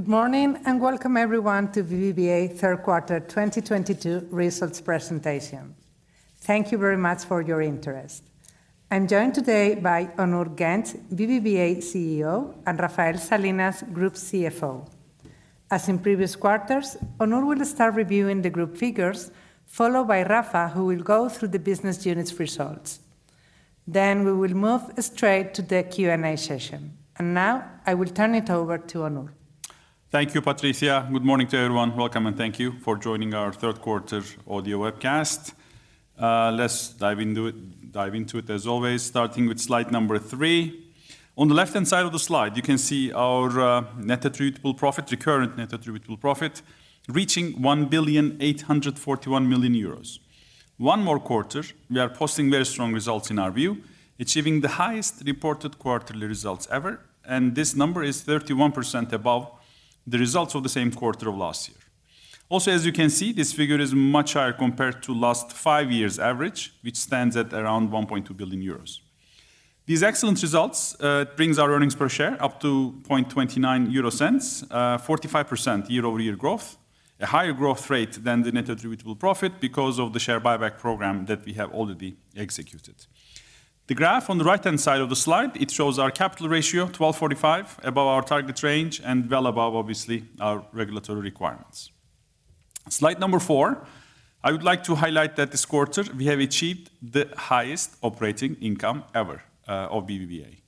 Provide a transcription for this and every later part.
Good morning, and welcome everyone to BBVA third quarter 2022 results presentation. Thank you very much for your interest. I'm joined today by Onur Genç, BBVA CEO, and Rafael Salinas, Group CFO. As in previous quarters, Onur will start reviewing the group figures, followed by Rafa, who will go through the business unit's results. Then we will move straight to the Q&A session. Now, I will turn it over to Onur. Thank you, Patricia. Good morning to everyone. Welcome and thank you for joining our third quarter audio webcast. Let's dive into it as always, starting with slide 3. On the left-hand side of the slide, you can see our net attributable profit, recurrent net attributable profit, reaching 1.841 billion. One more quarter, we are posting very strong results in our view, achieving the highest reported quarterly results ever, and this number is 31% above the results of the same quarter of last year. Also, as you can see, this figure is much higher compared to last five years average, which stands at around 1.2 billion euros. These excellent results brings our earnings per share up to 0.29 EUR, 45% year-over-year growth, a higher growth rate than the net attributable profit because of the share buyback program that we have already executed. The graph on the right-hand side of the slide, it shows our capital ratio, 12.45%, above our target range and well above, obviously, our regulatory requirements. Slide number 4, I would like to highlight that this quarter, we have achieved the highest operating income ever of BBVA.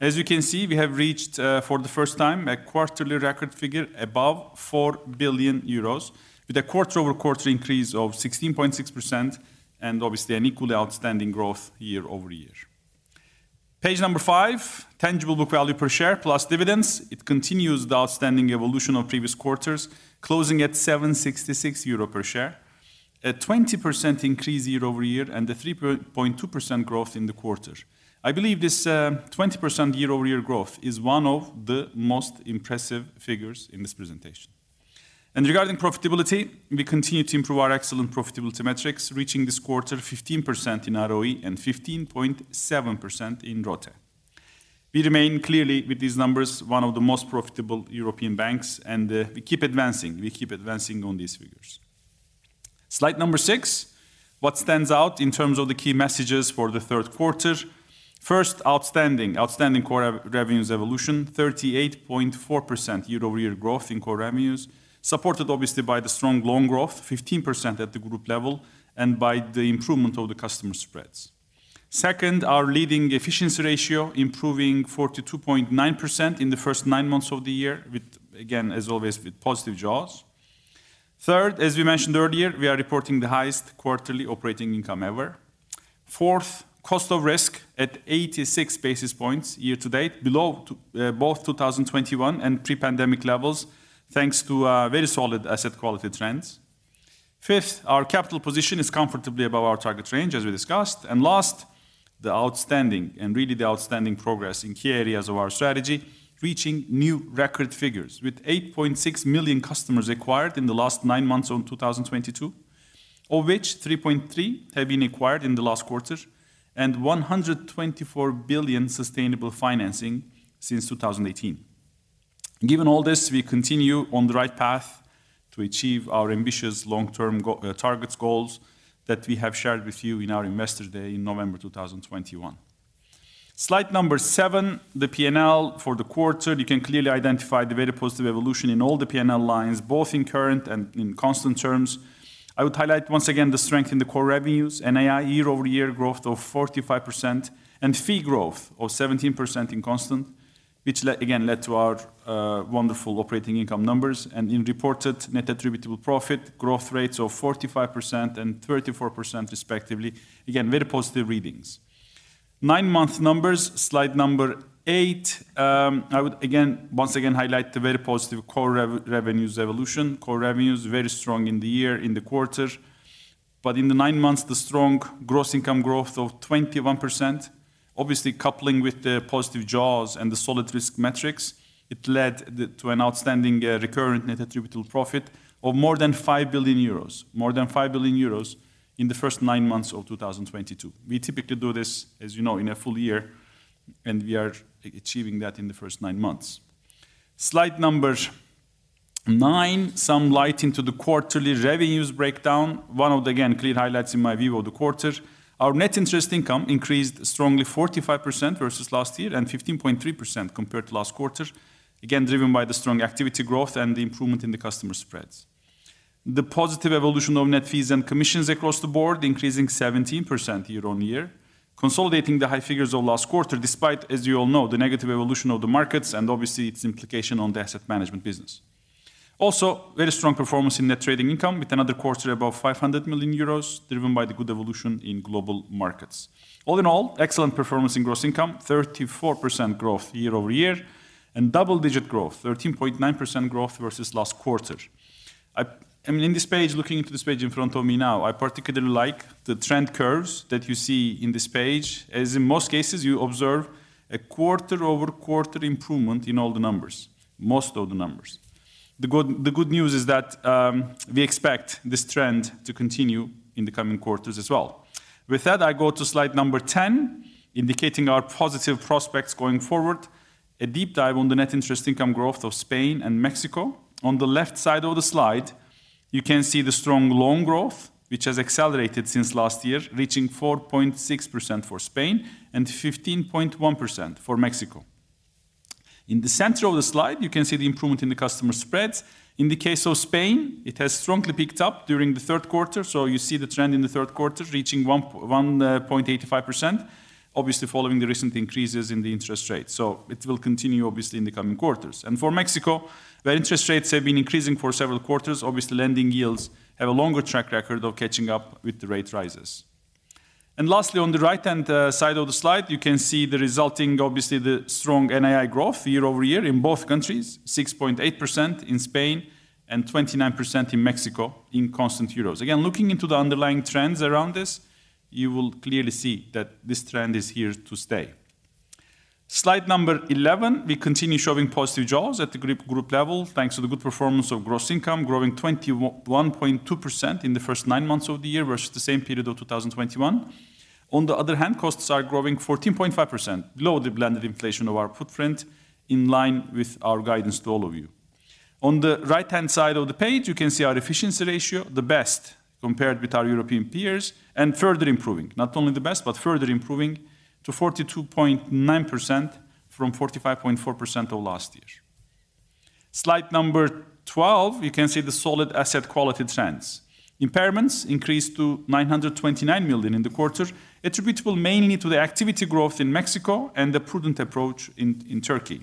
As you can see, we have reached for the first time a quarterly record figure above 4 billion euros with a quarter-over-quarter increase of 16.6% and obviously an equally outstanding growth year-over-year. Page number 5, tangible book value per share plus dividends. It continues the outstanding evolution of previous quarters, closing at 766 euro per share, a 20% increase year-over-year, and a 3.2% growth in the quarter. I believe this 20% year-over-year growth is one of the most impressive figures in this presentation. Regarding profitability, we continue to improve our excellent profitability metrics, reaching this quarter 15% in ROE and 15.7% in ROTE. We remain clearly with these numbers one of the most profitable European banks, and we keep advancing. We keep advancing on these figures. Slide 6, what stands out in terms of the key messages for the third quarter. First, outstanding core revenues evolution, 38.4% year-over-year growth in core revenues, supported obviously by the strong loan growth, 15% at the group level, and by the improvement of the customer spreads. Second, our leading efficiency ratio improving 42.9% in the first nine months of the year with, again, as always, with positive jaws. Third, as we mentioned earlier, we are reporting the highest quarterly operating income ever. Fourth, cost of risk at 86 basis points year to date, below both 2021 and pre-pandemic levels, thanks to very solid asset quality trends. Fifth, our capital position is comfortably above our target range, as we discussed. Last, the outstanding, and really the outstanding progress in key areas of our strategy, reaching new record figures, with 8.6 million customers acquired in the last nine months of 2022, of which 3.3 million have been acquired in the last quarter, and 124 billion sustainable financing since 2018. Given all this, we continue on the right path to achieve our ambitious long-term targets goals that we have shared with you in our Investor Day in November 2021. Slide number 7, the P&L for the quarter. You can clearly identify the very positive evolution in all the P&L lines, both in current and in constant terms. I would highlight once again the strength in the core revenues, NII year-over-year growth of 45%, and fee growth of 17% in constant, which again led to our wonderful operating income numbers and in reported net attributable profit growth rates of 45% and 34% respectively. Again, very positive readings. Nine-month numbers, slide 8. I would again, once again highlight the very positive core revenues evolution. Core revenues, very strong in the year, in the quarter. In the nine months, the strong gross income growth of 21%, obviously coupling with the positive jaws and the solid risk metrics, it led to an outstanding recurrent net attributable profit of more than 5 billion euros in the first nine months of 2022. We typically do this, as you know, in a full year, and we are achieving that in the first nine months. Slide number nine sheds some light on the quarterly revenues breakdown. One of the, again, clear highlights in my view of the quarter, our net interest income increased strongly 45% versus last year and 15.3% compared to last quarter, again, driven by the strong activity growth and the improvement in the customer spreads. The positive evolution of net fees and commissions across the board increasing 17% year-on-year, consolidating the high figures of last quarter, despite, as you all know, the negative evolution of the markets and obviously its implication on the asset management business. Also, very strong performance in net trading income with another quarter above 500 million euros, driven by the good evolution in global markets. All in all, excellent performance in gross income, 34% growth year-over-year, and double-digit growth, 13.9% growth versus last quarter. I mean, in this page, looking into this page in front of me now, I particularly like the trend curves that you see in this page, as in most cases you observe a quarter-over-quarter improvement in all the numbers, most of the numbers. The good news is that we expect this trend to continue in the coming quarters as well. With that, I go to slide number 10, indicating our positive prospects going forward, a deep dive on the net interest income growth of Spain and Mexico. On the left side of the slide, you can see the strong loan growth, which has accelerated since last year, reaching 4.6% for Spain and 15.1% for Mexico. In the center of the slide, you can see the improvement in the customer spreads. In the case of Spain, it has strongly picked up during the third quarter. You see the trend in the third quarter reaching 1.85%, obviously following the recent increases in the interest rate. It will continue obviously in the coming quarters. For Mexico, where interest rates have been increasing for several quarters, obviously, lending yields have a longer track record of catching up with the rate rises. Lastly, on the right-hand side of the slide, you can see the resulting, obviously the strong NII growth year-over-year in both countries, 6.8% in Spain and 29% in Mexico in constant euros. Again, looking into the underlying trends around this, you will clearly see that this trend is here to stay. Slide 11, we continue showing positive jaws at the group level, thanks to the good performance of gross income, growing 21.2% in the first nine months of the year versus the same period of 2021. On the other hand, costs are growing 14.5%, below the blended inflation of our footprint in line with our guidance to all of you. On the right-hand side of the page, you can see our efficiency ratio, the best compared with our European peers, and further improving, not only the best, but further improving to 42.9% from 45.4% of last year. Slide 12, you can see the solid asset quality trends. Impairments increased to 929 million in the quarter, attributable mainly to the activity growth in Mexico and the prudent approach in Turkey.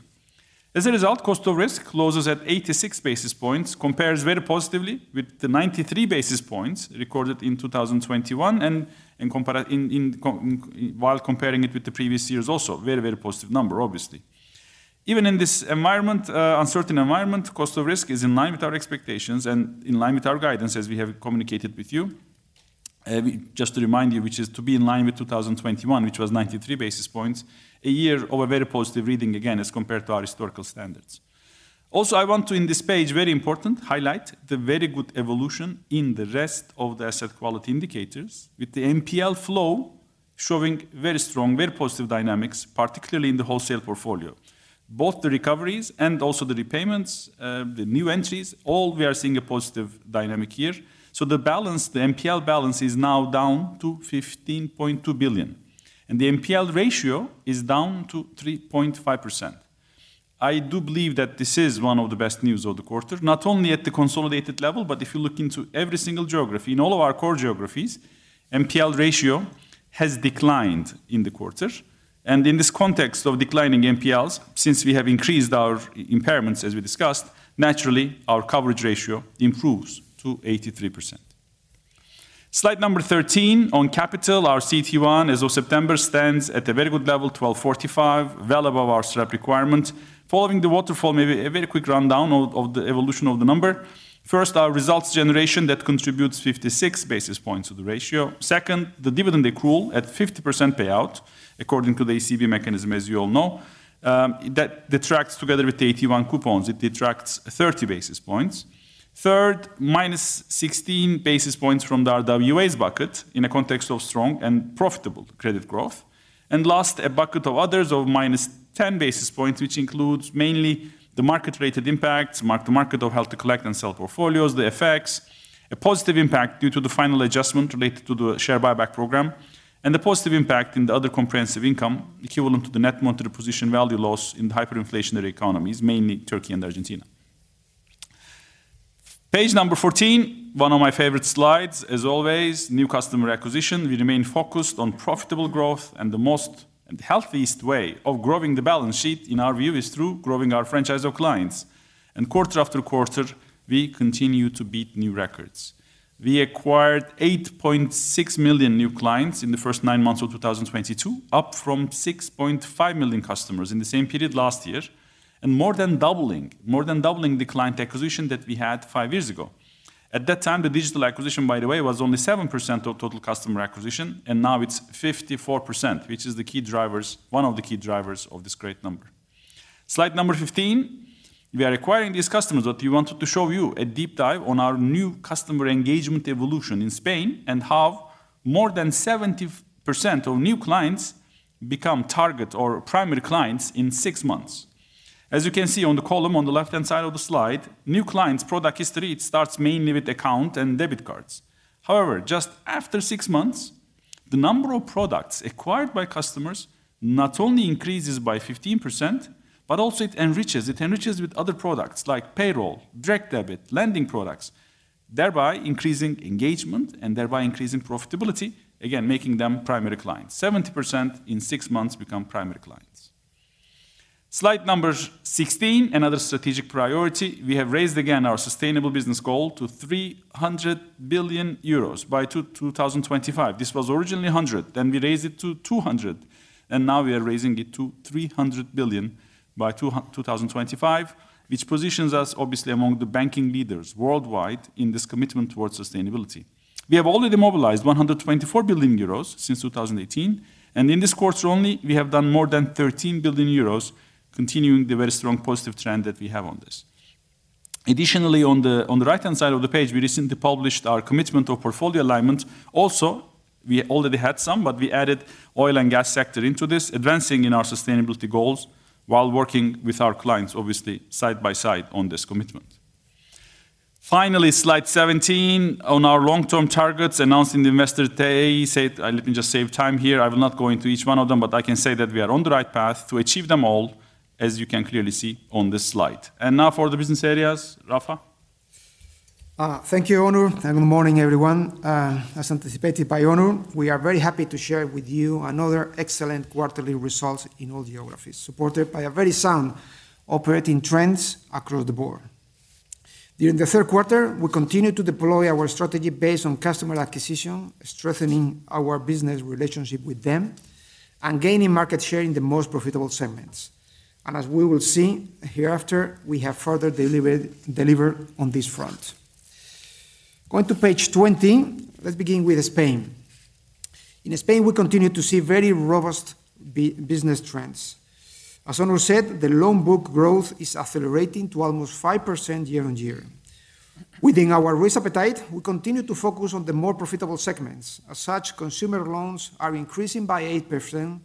As a result, cost of risk closes at 86 basis points, compares very positively with the 93 basis points recorded in 2021, while comparing it with the previous years also. Very positive number, obviously. Even in this uncertain environment, cost of risk is in line with our expectations and in line with our guidance as we have communicated with you. Just to remind you, which is to be in line with 2021, which was 93 basis points, a year of a very positive reading again as compared to our historical standards. Also, I want to in this page, very important, highlight the very good evolution in the rest of the asset quality indicators with the NPL flow showing very strong, very positive dynamics, particularly in the wholesale portfolio. Both the recoveries and also the repayments, the new entries, all we are seeing a positive dynamic here. The balance, the NPL balance is now down to 15.2 billion, and the NPL ratio is down to 3.5%. I do believe that this is one of the best news of the quarter, not only at the consolidated level, but if you look into every single geography. In all of our core geographies, NPL ratio has declined in the quarter. In this context of declining NPLs, since we have increased our impairments, as we discussed, naturally, our coverage ratio improves to 83%. Slide 13 on capital, our CET1 as of September stands at a very good level, 12.45, well above our SREP requirement. Following the waterfall, maybe a very quick rundown of the evolution of the number. First, our results generation, that contributes 56 basis points to the ratio. Second, the dividend accrual at 50% payout according to the ECB mechanism, as you all know, that detracts together with the AT1 coupons, it detracts 30 basis points. Third, minus 16 basis points from the RWAs bucket in a context of strong and profitable credit growth. Last, a bucket of others of minus 10 basis points, which includes mainly the mark-to-market impacts, mark-to-market of hold-to-collect-and-sell portfolios, the FX, a positive impact due to the final adjustment related to the share buyback program, and the positive impact in the other comprehensive income equivalent to the net monetary position value loss in the hyperinflationary economies, mainly Turkey and Argentina. Page 14, one of my favorite slides as always, new customer acquisition. We remain focused on profitable growth, and the most and healthiest way of growing the balance sheet, in our view, is through growing our franchise of clients. Quarter after quarter, we continue to beat new records. We acquired 8.6 million new clients in the first nine months of 2022, up from 6.5 million customers in the same period last year, and more than doubling the client acquisition that we had five years ago. At that time, the digital acquisition, by the way, was only 7% of total customer acquisition, and now it's 54%, which is the key drivers, one of the key drivers of this great number. Slide number 15. We are acquiring these customers, but we wanted to show you a deep dive on our new customer engagement evolution in Spain and how more than 70% of new clients become target or primary clients in six months. As you can see on the column on the left-hand side of the slide, new clients' product history, it starts mainly with account and debit cards. However, just after six months, the number of products acquired by customers not only increases by 15%, but also it enriches. It enriches with other products like payroll, direct debit, lending products, thereby increasing engagement and thereby increasing profitability, again, making them primary clients. 70% in six months become primary clients. Slide number 16, another strategic priority. We have raised again our sustainable business goal to 300 billion euros by 2025. This was originally 100, then we raised it to 200, and now we are raising it to 300 billion by 2025, which positions us obviously among the banking leaders worldwide in this commitment towards sustainability. We have already mobilized 124 billion euros since 2018, and in this quarter only, we have done more than 13 billion euros, continuing the very strong positive trend that we have on this. Additionally, on the right-hand side of the page, we recently published our commitment to portfolio alignment. Also, we already had some, but we added oil and gas sector into this, advancing in our sustainability goals while working with our clients, obviously side by side on this commitment. Finally, slide 17 on our long-term targets announced in the Investor Day said. Let me just save time here. I will not go into each one of them, but I can say that we are on the right path to achieve them all, as you can clearly see on this slide. Now for the business areas, Rafa. Thank you, Onur, and good morning, everyone. As anticipated by Onur, we are very happy to share with you another excellent quarterly results in all geographies, supported by a very sound operating trends across the board. During the third quarter, we continued to deploy our strategy based on customer acquisition, strengthening our business relationship with them, and gaining market share in the most profitable segments. As we will see hereafter, we have further delivered on this front. Going to page 20, let's begin with Spain. In Spain, we continue to see very robust business trends. As Onur said, the loan book growth is accelerating to almost 5% year-on-year. Within our risk appetite, we continue to focus on the more profitable segments. As such, consumer loans are increasing by 8%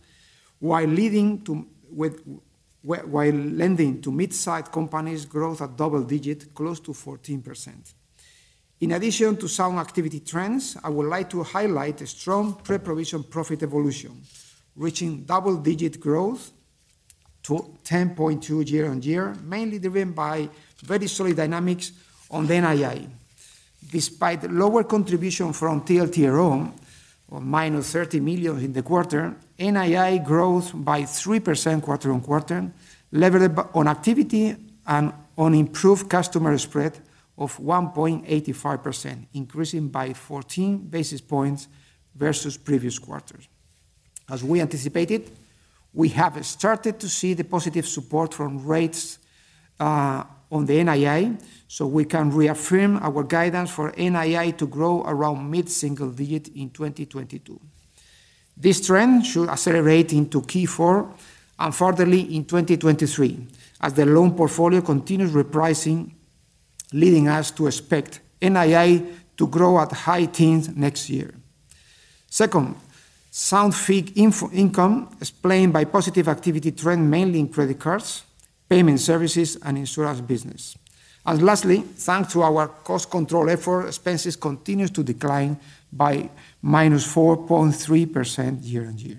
while lending to mid-sized companies growth at double-digit, close to 14%. In addition to sound activity trends, I would like to highlight a strong pre-provision profit evolution, reaching double-digit growth to 10.2 year-on-year, mainly driven by very solid dynamics on NII. Despite lower contribution from TLTRO, or -30 million in the quarter, NII grows by 3% quarter-on-quarter, levered on activity and on improved customer spread of 1.85%, increasing by 14 basis points versus previous quarters. As we anticipated, we have started to see the positive support from rates on the NII, so we can reaffirm our guidance for NII to grow around mid-single-digit in 2022. This trend should accelerate into Q4 and further in 2023 as the loan portfolio continues repricing, leading us to expect NII to grow at high teens next year. Second, sound fee income explained by positive activity trend mainly in credit cards, payment services, and insurance business. Lastly, thanks to our cost control effort, expenses continued to decline by -4.3% year-on-year.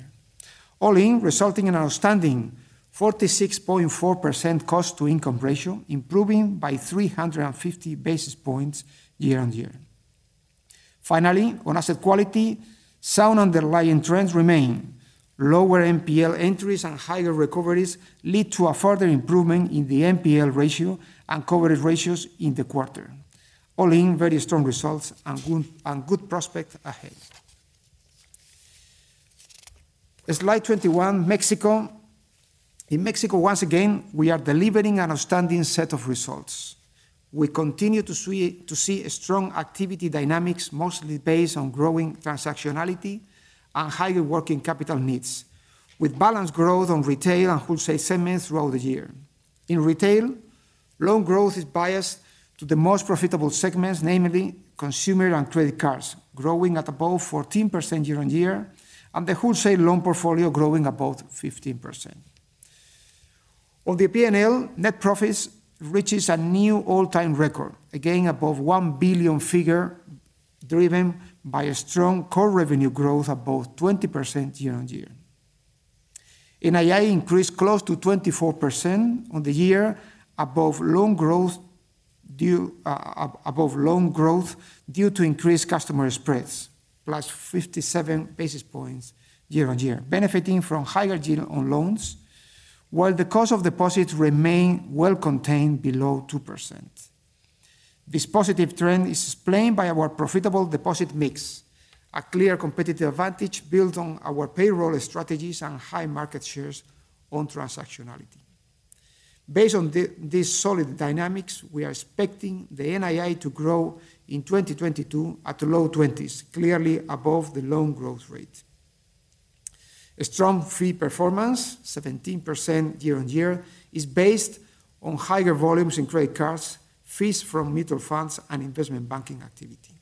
All in, resulting in an outstanding 46.4% cost-to-income ratio, improving by 350 basis points year-on-year. Finally, on asset quality, sound underlying trends remain. Lower NPL entries and higher recoveries lead to a further improvement in the NPL ratio and coverage ratios in the quarter. All in, very strong results and good prospects ahead. Slide 21, Mexico. In Mexico, once again, we are delivering an outstanding set of results. We continue to see strong activity dynamics, mostly based on growing transactionality and higher working capital needs, with balanced growth on retail and wholesale segments throughout the year. In retail, loan growth is biased to the most profitable segments, namely consumer and credit cards, growing at above 14% year-on-year, and the wholesale loan portfolio growing above 15%. On the P&L, net profits reaches a new all-time record, again above 1 billion figure, driven by a strong core revenue growth of above 20% year-on-year. NII increased close to 24% on the year above loan growth due to increased customer spreads, plus 57 basis points year-on-year, benefiting from higher yield on loans, while the cost of deposits remain well contained below 2%. This positive trend is explained by our profitable deposit mix, a clear competitive advantage built on our payroll strategies and high market shares on transactionality. Based on these solid dynamics, we are expecting the NII to grow in 2022 at low-20s%, clearly above the loan growth rate. A strong fee performance, 17% year-on-year, is based on higher volumes in credit cards, fees from mutual funds, and investment banking activity.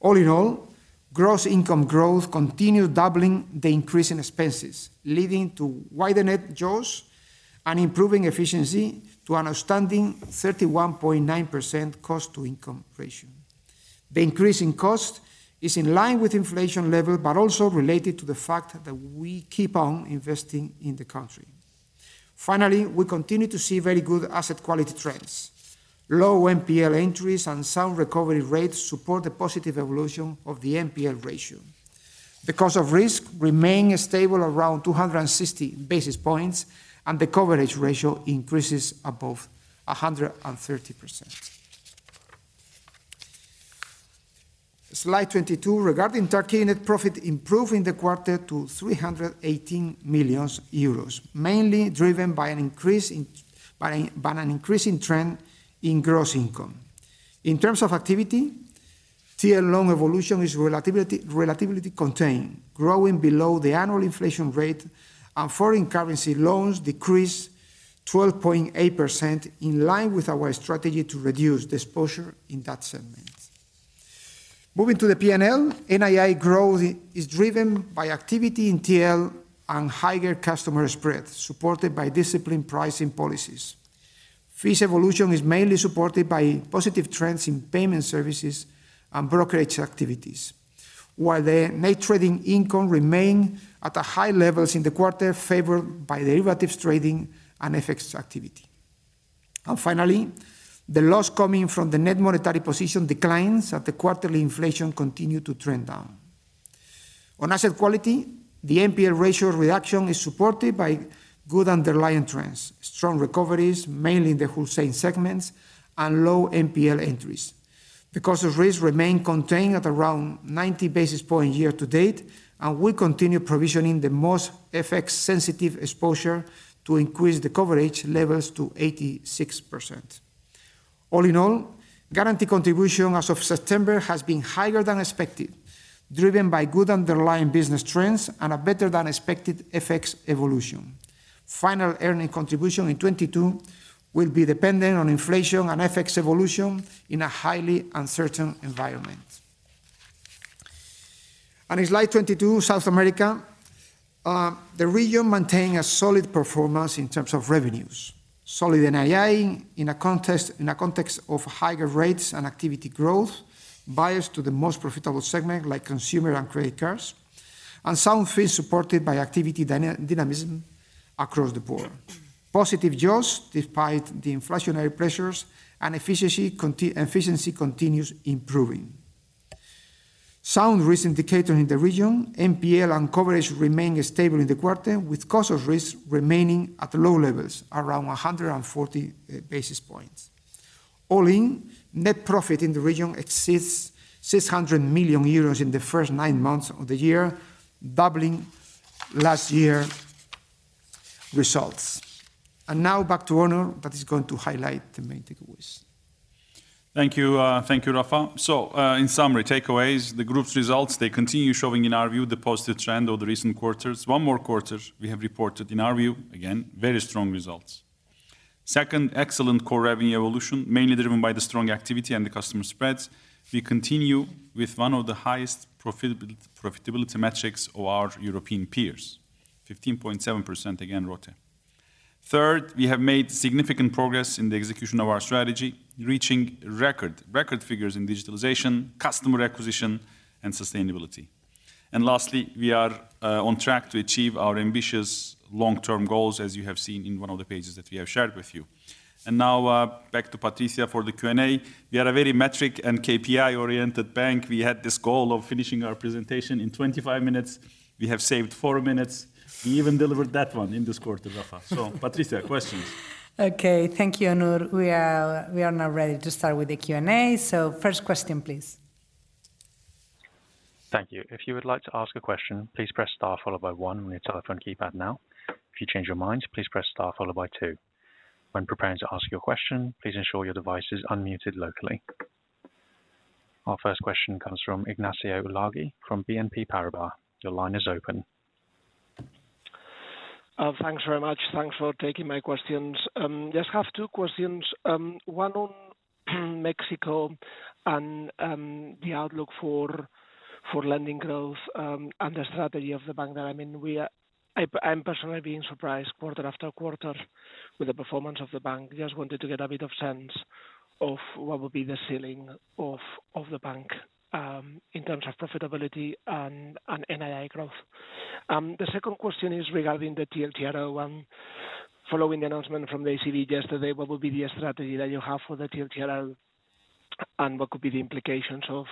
All in all, gross income growth continued doubling the increase in expenses, leading to wider net jaws and improving efficiency to an outstanding 31.9% cost-to-income ratio. The increase in cost is in line with inflation level, but also related to the fact that we keep on investing in the country. Finally, we continue to see very good asset quality trends. Low NPL entries and sound recovery rates support the positive evolution of the NPL ratio. The cost of risk remain stable around 260 basis points, and the coverage ratio increases above 130%. Slide 22. Regarding Turkey net profit, improved in the quarter to 318 million euros, mainly driven by an increasing trend in gross income. In terms of activity, TL loan evolution is relatively contained, growing below the annual inflation rate, and foreign currency loans decreased 12.8% in line with our strategy to reduce the exposure in that segment. Moving to the P&L, NII growth is driven by activity in TL and higher customer spread, supported by disciplined pricing policies. Fees evolution is mainly supported by positive trends in payment services and brokerage activities. While the net trading income remain at the high levels in the quarter, favored by derivatives trading and FX activity. Finally, the loss coming from the net monetary position declines as the quarterly inflation continued to trend down. On asset quality, the NPL ratio reduction is supported by good underlying trends, strong recoveries, mainly in the wholesale segments, and low NPL entries. The cost of risk remain contained at around 90 basis points year to date, and we continue provisioning the most FX-sensitive exposure to increase the coverage levels to 86%. All in all, Garanti contribution as of September has been higher than expected, driven by good underlying business trends and a better than expected FX evolution. Garanti earning contribution in 2022 will be dependent on inflation and FX evolution in a highly uncertain environment. In slide 22, South America, the region maintains a solid performance in terms of revenues. Solid NII in a context of higher rates and activity growth, biased to the most profitable segment, like consumer and credit cards, and some fees supported by activity dynamism across the board. Positive jaws despite the inflationary pressures and efficiency continues improving. Sound risk indicator in the region, NPL and coverage remain stable in the quarter, with cost of risks remaining at low levels, around 140 basis points. All in, net profit in the region exceeds 600 million euros in the first nine months of the year, doubling last year results. Now back to Onur that is going to highlight the main takeaways. Thank you. Thank you, Rafa. In summary, takeaways, the group's results, they continue showing, in our view, the positive trend of the recent quarters. One more quarter we have reported, in our view, again, very strong results. Second, excellent core revenue evolution, mainly driven by the strong activity and the customer spreads. We continue with one of the highest profitability metrics of our European peers, 15.7%, again, ROTCE. Third, we have made significant progress in the execution of our strategy, reaching record figures in digitalization, customer acquisition, and sustainability. Lastly, we are on track to achieve our ambitious long-term goals, as you have seen in one of the pages that we have shared with you. Now, back to Patricia for the Q&A. We are a very metric and KPI-oriented bank. We had this goal of finishing our presentation in 25 minutes. We have saved 4 minutes. We even delivered that one in this quarter, Rafa. Patricia, questions. Okay. Thank you, Onur. We are now ready to start with the Q&A. First question, please. Thank you. If you would like to ask a question, please press star followed by one on your telephone keypad now. If you change your mind, please press star followed by two. When preparing to ask your question, please ensure your device is unmuted locally. Our first question comes from Ignacio Ulargui from BNP Paribas. Your line is open. Thanks very much. Thanks for taking my questions. Just have two questions. One on Mexico and the outlook for lending growth and the strategy of the bank there. I mean, I'm personally being surprised quarter after quarter with the performance of the bank. Just wanted to get a bit of sense of what would be the ceiling of the bank in terms of profitability and NII growth. The second question is regarding the TLTRO. Following the announcement from the ECB yesterday, what will be the strategy that you have for the TLTRO, and what could be the implications of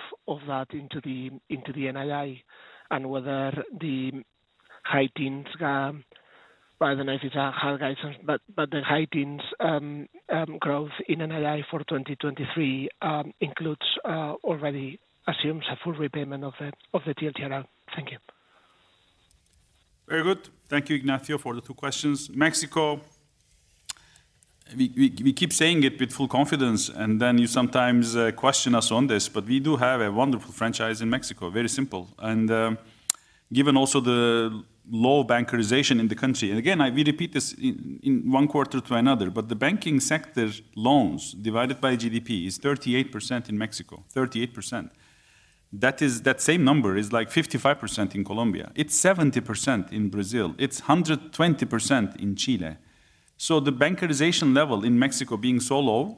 that into the NII? Whether the high teens, well, I don't know if it's a hard guidance, but the high teens growth in NII for 2023 includes already assumes a full repayment of the TLTRO. Thank you. Very good. Thank you, Ignacio, for the two questions. Mexico, we keep saying it with full confidence, and then you sometimes question us on this, but we do have a wonderful franchise in Mexico. Very simple. Given also the low bancarization in the country, and again, we repeat this in one quarter to another, but the banking sector's loans divided by GDP is 38% in Mexico. 38%. That is, that same number is like 55% in Colombia. It's 70% in Brazil. It's 120% in Chile. The bankarization level in Mexico being so low,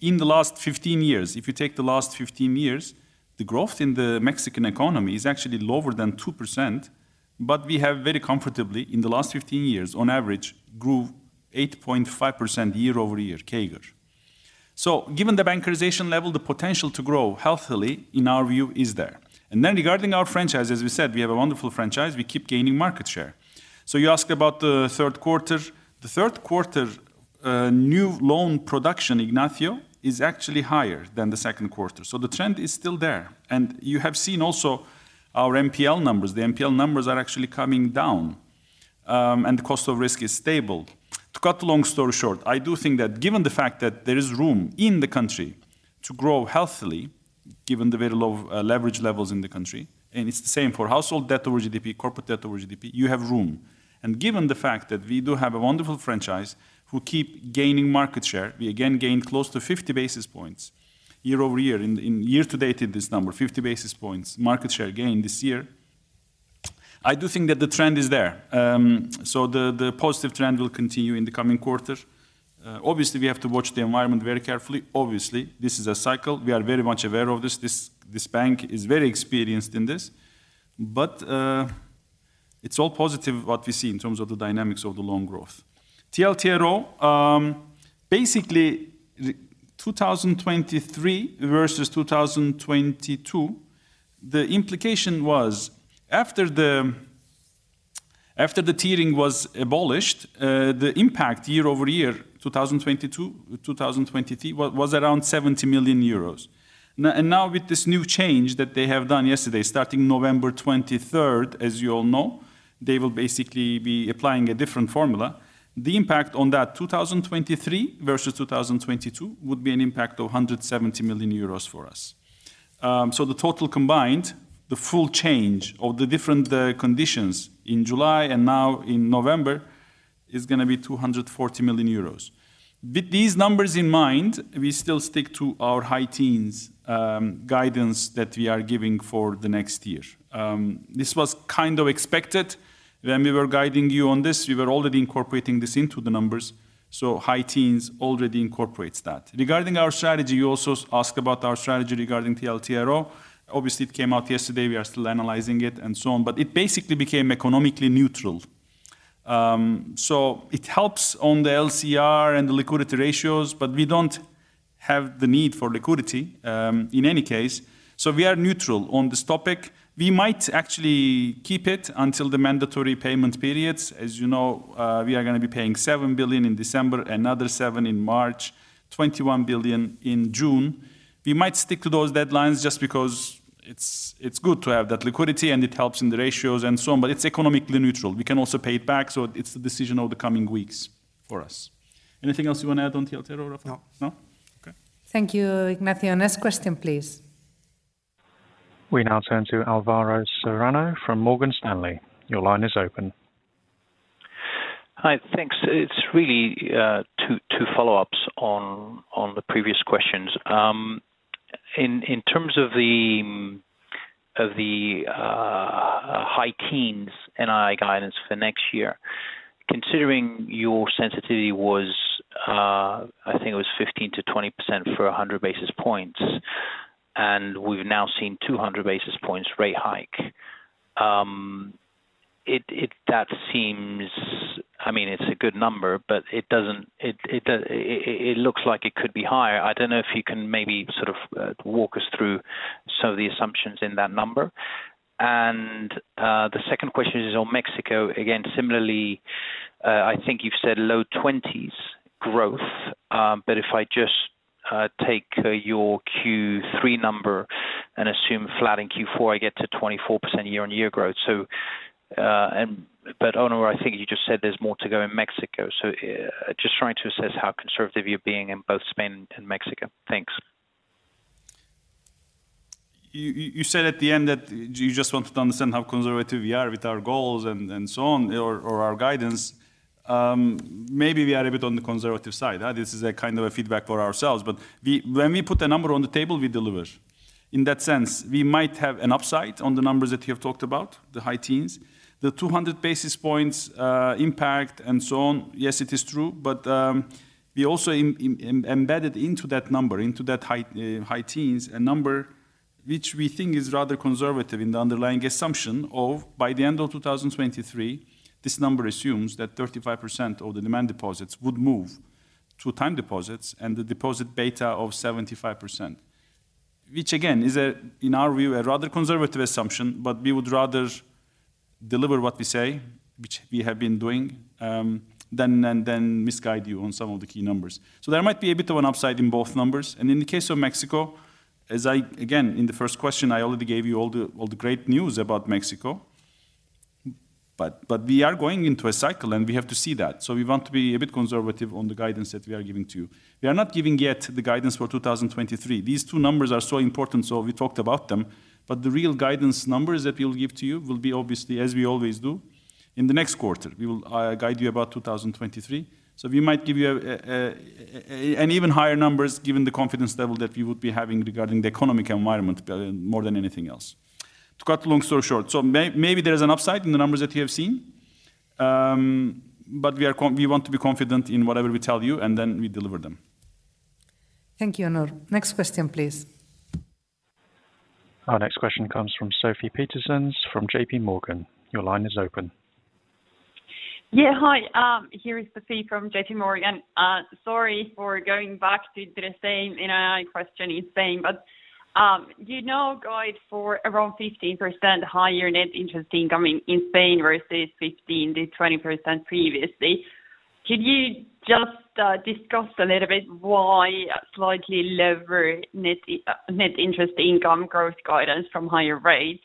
in the last 15 years, if you take the last 15 years, the growth in the Mexican economy is actually lower than 2%, but we have very comfortably, in the last 15 years, on average, grew 8.5% year-over-year, CAGR. Given the bankarization level, the potential to grow healthily, in our view, is there. Regarding our franchise, as we said, we have a wonderful franchise. We keep gaining market share. You ask about the third quarter. The third quarter, new loan production, Ignacio, is actually higher than the second quarter. The trend is still there. You have seen also our NPL numbers. The NPL numbers are actually coming down. The cost of risk is stable. To cut the long story short, I do think that given the fact that there is room in the country to grow healthily, given the very low leverage levels in the country, and it's the same for household debt over GDP, corporate debt over GDP, you have room. Given the fact that we do have a wonderful franchise who keep gaining market share, we again gained close to 50 basis points year-over-year in year-to-date in this number, 50 basis points market share gain this year. I do think that the trend is there. The positive trend will continue in the coming quarter. Obviously we have to watch the environment very carefully. Obviously, this is a cycle. We are very much aware of this. This bank is very experienced in this. It's all positive what we see in terms of the dynamics of the loan growth. TLTRO, basically 2023 versus 2022, the implication was after the tiering was abolished, the impact year over year, 2022, 2023, was around 70 million euros. Now with this new change that they have done yesterday, starting November twenty-third, as you all know, they will basically be applying a different formula. The impact on that 2023 versus 2022 would be an impact of 170 million euros for us. The total combined, the full change of the different conditions in July and now in November is gonna be 240 million euros. With these numbers in mind, we still stick to our high teens guidance that we are giving for the next year. This was kind of expected when we were guiding you on this. We were already incorporating this into the numbers, so high teens already incorporates that. Regarding our strategy, you also asked about our strategy regarding TLTRO. Obviously, it came out yesterday, we are still analyzing it and so on, but it basically became economically neutral. It helps on the LCR and the liquidity ratios, but we don't have the need for liquidity, in any case. We are neutral on this topic. We might actually keep it until the mandatory payment periods. As you know, we are gonna be paying 7 billion in December, another 7 billion in March, 21 billion in June. We might stick to those deadlines just because it's good to have that liquidity, and it helps in the ratios and so on, but it's economically neutral. We can also pay it back, so it's the decision of the coming weeks for us. Anything else you wanna add on TLTRO, Rafael? No. No? Okay. Thank you, Ignacio. Next question, please. We now turn to Alvaro Serrano from Morgan Stanley. Your line is open. Hi. Thanks. It's really two follow-ups on the previous questions. In terms of the high teens NII guidance for next year, considering your sensitivity was, I think it was 15%-20% for 100 basis points, and we've now seen 200 basis points rate hike, that seems. I mean, it's a good number, but it looks like it could be higher. I don't know if you can maybe sort of walk us through some of the assumptions in that number. The second question is on Mexico. Again, similarly, I think you've said low 20s growth, but if I just take your Q3 number and assume flat in Q4, I get to 24% year-on-year growth. Onur, I think you just said there's more to go in Mexico. Just trying to assess how conservative you're being in both Spain and Mexico? Thanks. You said at the end that you just wanted to understand how conservative we are with our goals and so on or our guidance. Maybe we are a bit on the conservative side. This is a kind of a feedback for ourselves. We when we put a number on the table, we deliver. In that sense, we might have an upside on the numbers that you have talked about, the high teens. The 200 basis points impact and so on, yes, it is true, but we also embedded into that number, into that high teens, a number which we think is rather conservative in the underlying assumption of, by the end of 2023, this number assumes that 35% of the demand deposits would move to time deposits and the deposit beta of 75%. Which again is, in our view, a rather conservative assumption, but we would rather deliver what we say, which we have been doing, than misguide you on some of the key numbers. There might be a bit of an upside in both numbers. In the case of Mexico, as I, again, in the first question, I already gave you all the great news about Mexico. We are going into a cycle, and we have to see that. We want to be a bit conservative on the guidance that we are giving to you. We are not giving yet the guidance for 2023. These two numbers are so important, so we talked about them. The real guidance numbers that we'll give to you will be obviously, as we always do, in the next quarter. We will guide you about 2023. We might give you an even higher numbers given the confidence level that we would be having regarding the economic environment more than anything else. To cut long story short, maybe there is an upside in the numbers that you have seen, but we want to be confident in whatever we tell you, and then we deliver them. Thank you, Onur. Next question, please. Our next question comes from Sophie Peterzens from J.P. Morgan. Your line is open. Yeah. Hi. Here is Sophie from J.P. Morgan. Sorry for going back to the same NII question in Spain, but you now guide for around 15% higher net interest income in Spain versus 15%-20% previously. Could you just discuss a little bit why slightly lower net interest income growth guidance from higher rates?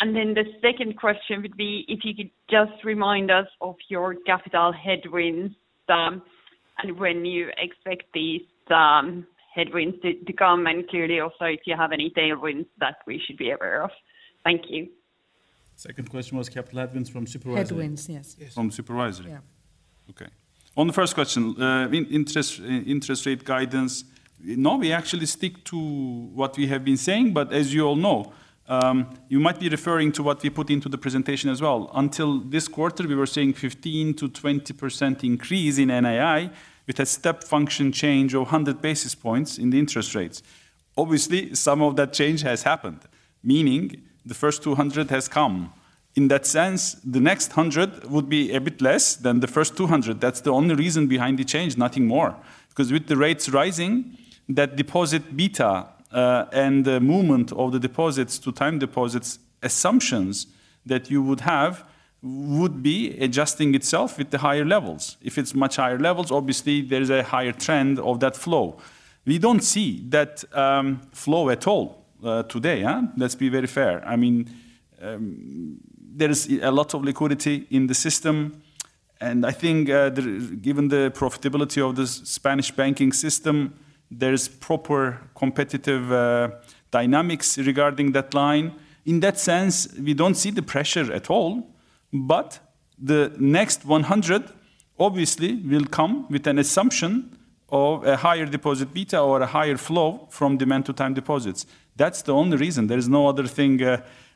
The second question would be if you could just remind us of your capital headwinds, and when you expect these headwinds to come, and clearly also if you have any tailwinds that we should be aware of. Thank you. Second question was capital headwinds from supervisory? Headwinds, yes. From supervisory? Yeah. Okay. On the first question, interest rate guidance, no, we actually stick to what we have been saying. As you all know, you might be referring to what we put into the presentation as well. Until this quarter, we were saying 15%-20% increase in NII, with a step function change of 100 basis points in the interest rates. Obviously, some of that change has happened, meaning the first 200 has come. In that sense, the next 100 would be a bit less than the first 200. That's the only reason behind the change, nothing more. 'Cause with the rates rising, that deposit beta, and the movement of the deposits to time deposits, assumptions that you would have would be adjusting itself with the higher levels. If it's much higher levels, obviously there is a higher trend of that flow. We don't see that flow at all today? Let's be very fair. I mean, there is a lot of liquidity in the system, and I think given the profitability of the Spanish banking system, there is proper competitive dynamics regarding that line. In that sense, we don't see the pressure at all, but the next 100 obviously will come with an assumption of a higher deposit beta or a higher flow from demand to time deposits. That's the only reason. There is no other thing.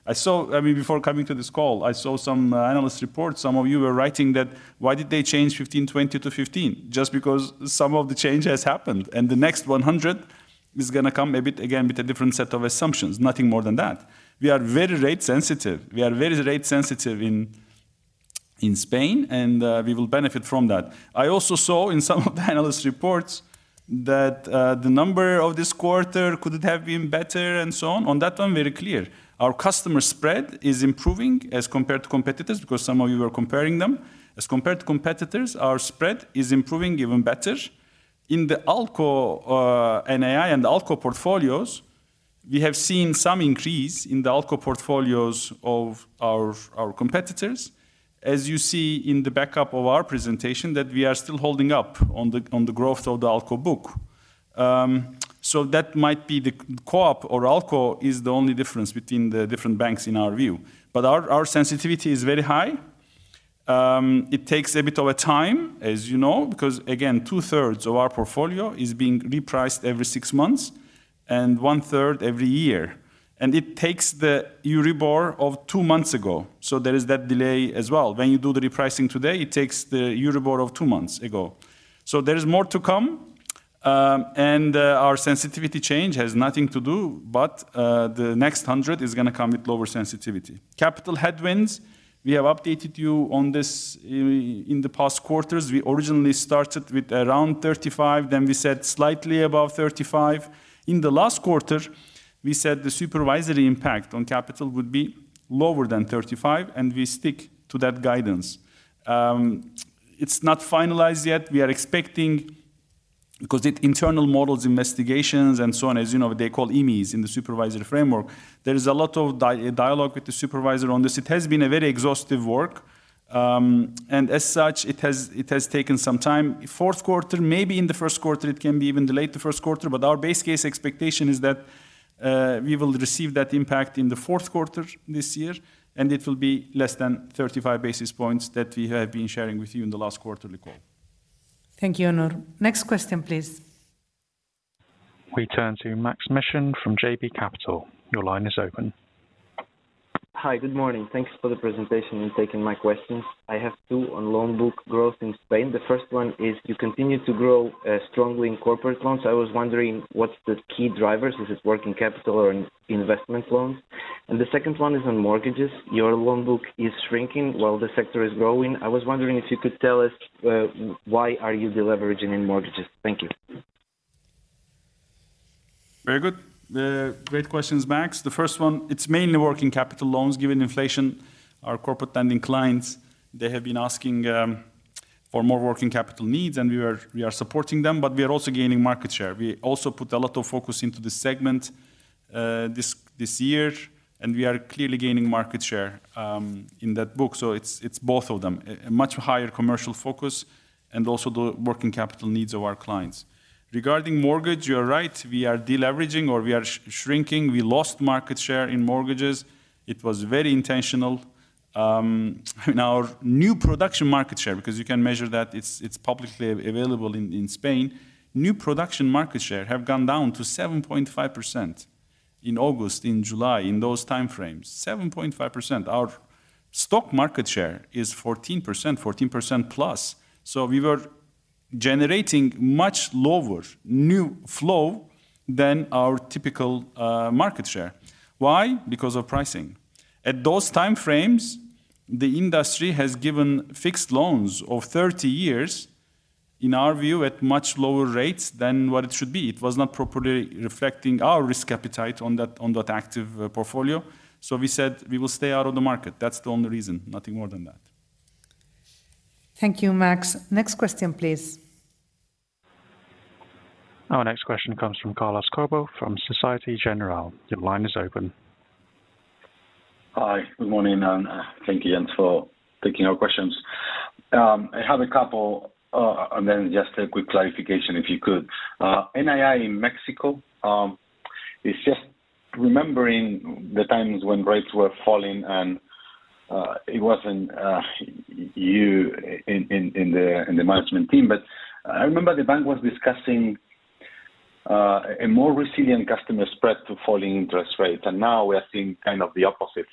I saw, I mean, before coming to this call, I saw some analyst reports. Some of you were writing that, "Why did they change 15-20 to 15?" Just because some of the change has happened, and the next 100 is gonna come a bit, again, with a different set of assumptions, nothing more than that. We are very rate sensitive. We are very rate sensitive in Spain, and we will benefit from that. I also saw in some of the analyst reports that the number of this quarter could it have been better and so on. On that one, very clear. Our customer spread is improving as compared to competitors, because some of you are comparing them. As compared to competitors, our spread is improving even better. In the ALCO, NII and ALCO portfolios, we have seen some increase in the ALCO portfolios of our competitors. As you see in the backup of our presentation, we are still holding up on the growth of the ALCO book. That might be the ALCO or ALCO is the only difference between the different banks in our view. Our sensitivity is very high. It takes a bit of a time, as you know, because again, two-thirds of our portfolio is being repriced every six months and one-third every year. It takes the EURIBOR of two months ago, so there is that delay as well. When you do the repricing today, it takes the EURIBOR of two months ago. There is more to come, and our sensitivity change has nothing to do, but the next 100 is gonna come with lower sensitivity. Capital headwinds, we have updated you on this in the past quarters. We originally started with around 35, then we said slightly above 35. In the last quarter, we said the supervisory impact on capital would be lower than 35, and we stick to that guidance. It's not finalized yet. We are expecting, because internal models, investigations and so on, as you know, they're called IMIs in the supervisory framework. There is a lot of dialogue with the supervisor on this. It has been a very exhaustive work, and as such, it has taken some time. Fourth quarter, maybe in the first quarter, it can be even delayed to first quarter, but our base case expectation is that, we will receive that impact in the fourth quarter this year, and it will be less than 35 basis points that we have been sharing with you in the last quarterly call. Thank you, Onur. Next question, please. We turn to Maksym Mishyn from JB Capital. Your line is open. Hi, good morning. Thanks for the presentation and taking my questions. I have two on loan book growth in Spain. The first one is you continue to grow strongly in corporate loans. I was wondering what's the key drivers. Is it working capital or investment loans? The second one is on mortgages. Your loan book is shrinking while the sector is growing. I was wondering if you could tell us why are you deleveraging in mortgages. Thank you. Very good. Great questions, Max. The first one, it's mainly working capital loans. Given inflation, our corporate lending clients, they have been asking for more working capital needs, and we are supporting them, but we are also gaining market share. We also put a lot of focus into this segment, this year, and we are clearly gaining market share in that book. It's both of them, a much higher commercial focus and also the working capital needs of our clients. Regarding mortgage, you are right. We are deleveraging or we are shrinking. We lost market share in mortgages. It was very intentional. Our new production market share, because you can measure that, it's publicly available in Spain. New production market share have gone down to 7.5% in August, in July, in those time frames. 7.5%. Our stock market share is 14%, 14%+. We were generating much lower new flow than our typical market share. Why? Because of pricing. At those time frames, the industry has given fixed loans of 30 years. In our view, at much lower rates than what it should be. It was not properly reflecting our risk appetite on that active portfolio. We said we will stay out of the market. That's the only reason. Nothing more than that. Thank you, Max. Next question, please. Our next question comes from Carlos Cobo from Société Générale. Your line is open. Hi. Good morning, and thank you again for taking our questions. I have a couple, and then just a quick clarification, if you could. NII in Mexico, it's just remembering the times when rates were falling and it wasn't you in the management team. I remember the bank was discussing a more resilient customer spread to falling interest rates, and now we are seeing kind of the opposite.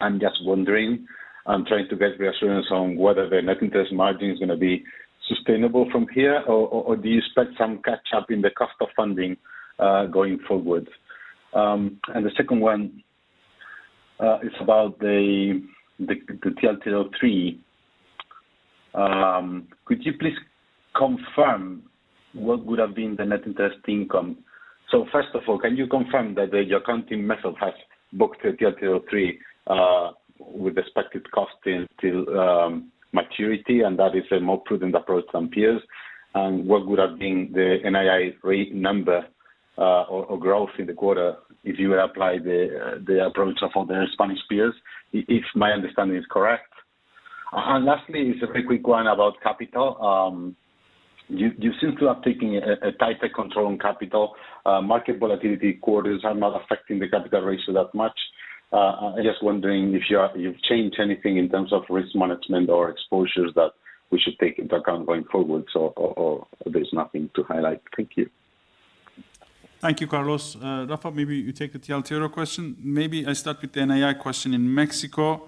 I'm just wondering and trying to get reassurance on whether the net interest margin is gonna be sustainable from here or do you expect some catch-up in the cost of funding going forward? The second one is about the TLTRO III. Could you please confirm what would have been the net interest income? First of all, can you confirm that your accounting method has booked the TLTRO III with expected cost until maturity, and that is a more prudent approach than peers? What would have been the NII rate number or growth in the quarter if you apply the approach of all the Spanish peers, if my understanding is correct? Lastly, it's a very quick one about capital. You seem to have taken a tighter control on capital. Market volatility quarters are not affecting the capital ratio that much. I'm just wondering if you've changed anything in terms of risk management or exposures that we should take into account going forward or there's nothing to highlight. Thank you. Thank you, Carlos. Rafa, maybe you take the TLTRO question. Maybe I start with the NII question in Mexico.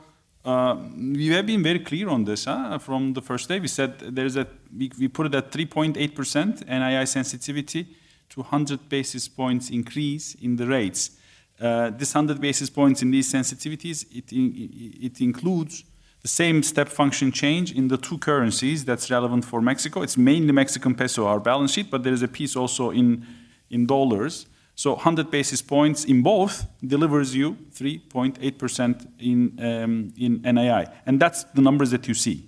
We have been very clear on this from the first day. We put it at 3.8% NII sensitivity to a 100 basis points increase in the rates. This 100 basis points in these sensitivities, it includes the same step function change in the two currencies that's relevant for Mexico. It's mainly Mexican peso, our balance sheet, but there is a piece also in dollars. A 100 basis points in both delivers you 3.8% in NII, and that's the numbers that you see.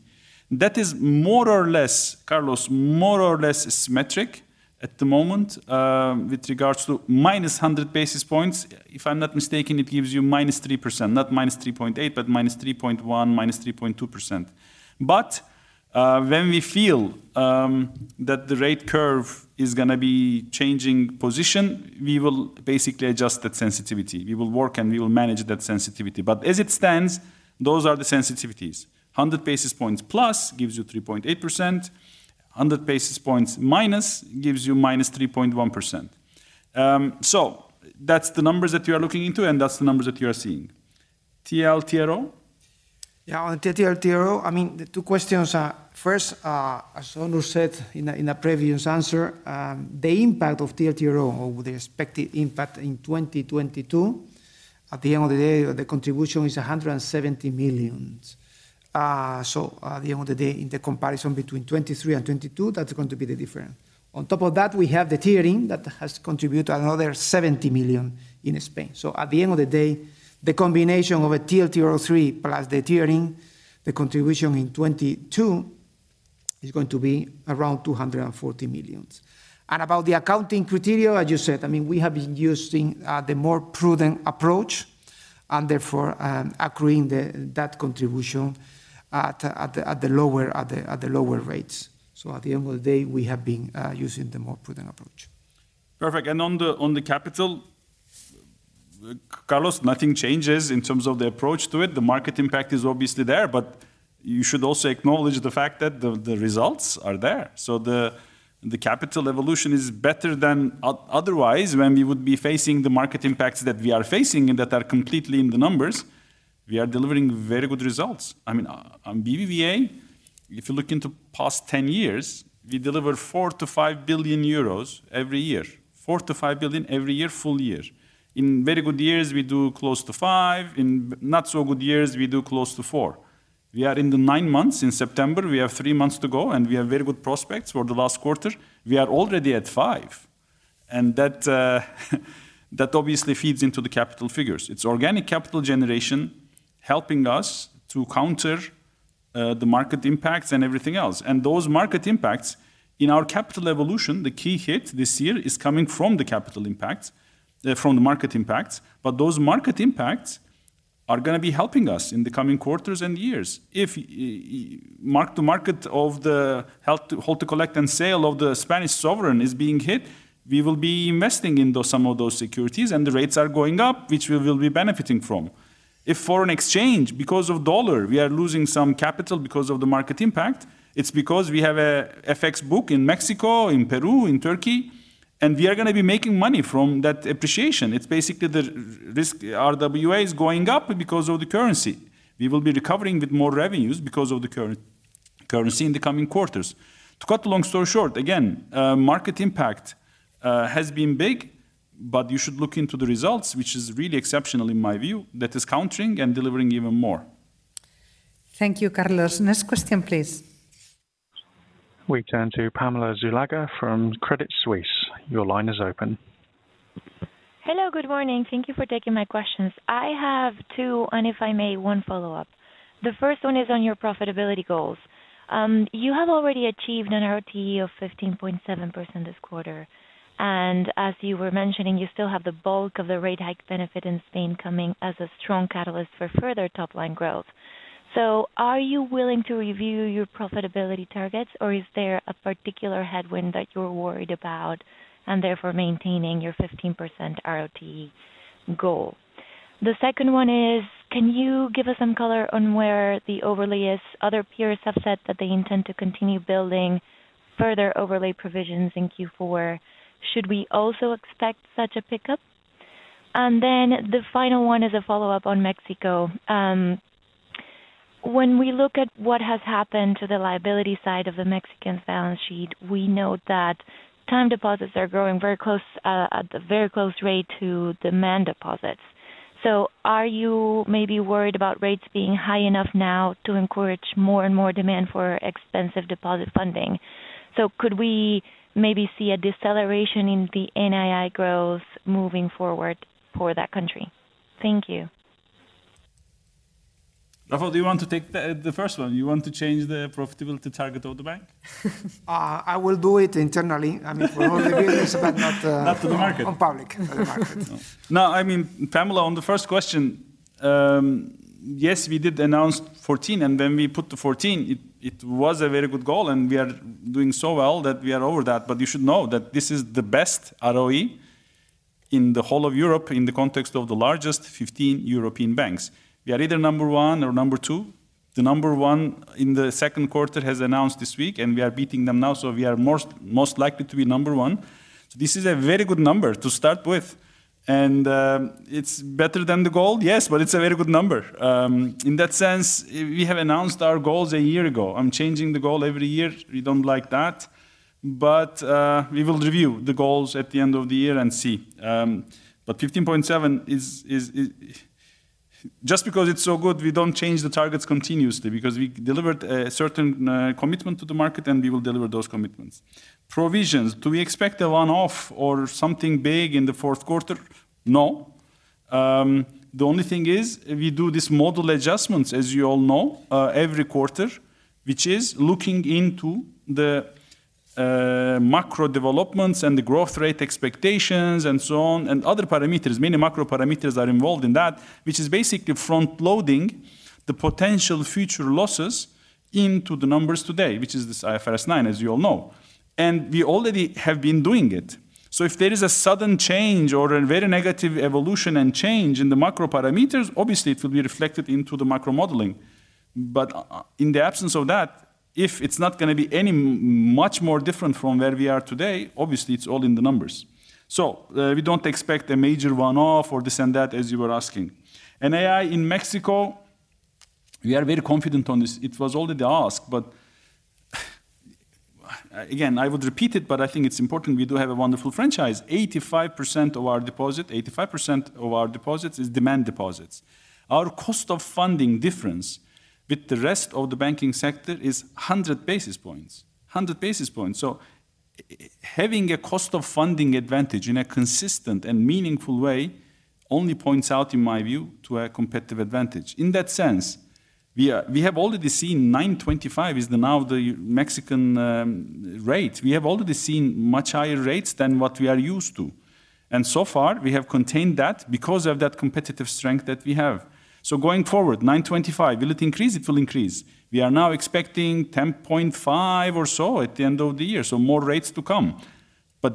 That is more or less, Carlos, more or less symmetric at the moment with regards to minus 100 basis points. If I'm not mistaken, it gives you -3%. Not -3.8%, but -3.1%, -3.2%. When we feel that the rate curve is gonna be changing position, we will basically adjust that sensitivity. We will work, and we will manage that sensitivity. As it stands, those are the sensitivities. 100 basis points plus gives you 3.8%. 100 basis points minus gives you -3.1%. That's the numbers that you are looking into, and that's the numbers that you are seeing. TLTRO? Yeah. On the TLTRO, I mean, the two questions are, first, as Onur said in a previous answer, the impact of TLTRO or the expected impact in 2022, at the end of the day, the contribution is 170 million. So at the end of the day, in the comparison between 2023 and 2022, that's going to be the difference. On top of that, we have the tiering that has contributed another 70 million in Spain. So at the end of the day, the combination of a TLTRO III plus the tiering, the contribution in 2022 is going to be around 240 million. About the accounting criteria, as you said, I mean, we have been using the more prudent approach and therefore accruing that contribution at the lower rates. At the end of the day, we have been using the more prudent approach. Perfect. On the capital, Carlos, nothing changes in terms of the approach to it. The market impact is obviously there, but you should also acknowledge the fact that the results are there. The capital evolution is better than otherwise when we would be facing the market impacts that we are facing and that are completely in the numbers. We are delivering very good results. I mean, on BBVA, if you look into past 10 years, we deliver 4 billion-5 billion euros every year. 4 billion-5 billion every year, full year. In very good years, we do close to 5 billion. In not so good years, we do close to 4 billion. We are in the 9 months in September. We have 3 months to go, and we have very good prospects for the last quarter. We are already at 5%, and that obviously feeds into the capital figures. It's organic capital generation helping us to counter the market impacts and everything else. Those market impacts in our capital evolution, the key hit this year is coming from the capital impact from the market impacts. Those market impacts are gonna be helping us in the coming quarters and years. If mark-to-market of the hold-to-collect-and-sell of the Spanish sovereign is being hit, we will be investing in those, some of those securities, and the rates are going up, which we will be benefiting from. If foreign exchange because of dollar, we are losing some capital because of the market impact, it's because we have a FX book in Mexico, in Peru, in Turkey, and we are gonna be making money from that appreciation. It's basically the risk RWA is going up because of the currency. We will be recovering with more revenues because of the currency in the coming quarters. To cut a long story short, again, market impact has been big, but you should look into the results, which is really exceptional in my view. That is countering and delivering even more. Thank you, Carlos. Next question, please. We turn to Pamela Zuluaga from Credit Suisse. Your line is open. Hello, good morning. Thank you for taking my questions. I have two, and if I may, one follow-up. The first one is on your profitability goals. You have already achieved an ROTE of 15.7% this quarter, and as you were mentioning, you still have the bulk of the rate hike benefit in Spain coming as a strong catalyst for further top-line growth. Are you willing to review your profitability targets, or is there a particular headwind that you're worried about and therefore maintaining your 15% ROTE goal? The second one is, can you give us some color on where the overlay is? Other peers have said that they intend to continue building further overlay provisions in Q4. Should we also expect such a pickup? Then the final one is a follow-up on Mexico. When we look at what has happened to the liability side of the Mexican balance sheet, we note that time deposits are growing very close, at a very close rate to demand deposits. Are you maybe worried about rates being high enough now to encourage more and more demand for expensive deposit funding? Could we maybe see a deceleration in the NII growth moving forward for that country? Thank you. Rafa, do you want to take the first one? You want to change the profitability target of the bank? I will do it internally. I mean, for all the business, but not, Not to the market. on public, for the market. No. I mean, Pamela, on the first question, yes, we did announce 14, and when we put the 14, it was a very good goal, and we are doing so well that we are over that. You should know that this is the best ROE in the whole of Europe in the context of the largest 15 European banks. We are either number one or number two. The number one in the second quarter has announced this week, and we are beating them now, so we are most likely to be number one. This is a very good number to start with, and it's better than the goal. Yes, but it's a very good number. In that sense, we have announced our goals a year ago. I'm changing the goal every year. We don't like that. We will review the goals at the end of the year and see. 15.7% is. Just because it's so good, we don't change the targets continuously because we delivered a certain commitment to the market, and we will deliver those commitments. Provisions, do we expect a one-off or something big in the fourth quarter? No. The only thing is we do these model adjustments, as you all know, every quarter, which is looking into the macro developments and the growth rate expectations and so on, and other parameters. Many macro parameters are involved in that, which is basically front-loading the potential future losses into the numbers today, which is this IFRS 9, as you all know. We already have been doing it. If there is a sudden change or a very negative evolution and change in the macro parameters, obviously it will be reflected into the macro modeling. In the absence of that, if it's not gonna be any much more different from where we are today, obviously it's all in the numbers. We don't expect a major one-off or this and that, as you were asking. NII in Mexico, we are very confident on this. It was already asked, but again, I would repeat it, but I think it's important, we do have a wonderful franchise. 85% of our deposit, 85% of our deposits is demand deposits. Our cost of funding difference with the rest of the banking sector is 100 basis points. Having a cost of funding advantage in a consistent and meaningful way only points out, in my view, to a competitive advantage. In that sense, we have already seen 9.25 is now the Mexican rate. We have already seen much higher rates than what we are used to. So far, we have contained that because of that competitive strength that we have. Going forward, 9.25, will it increase? It will increase. We are now expecting 10.5 or so at the end of the year, so more rates to come.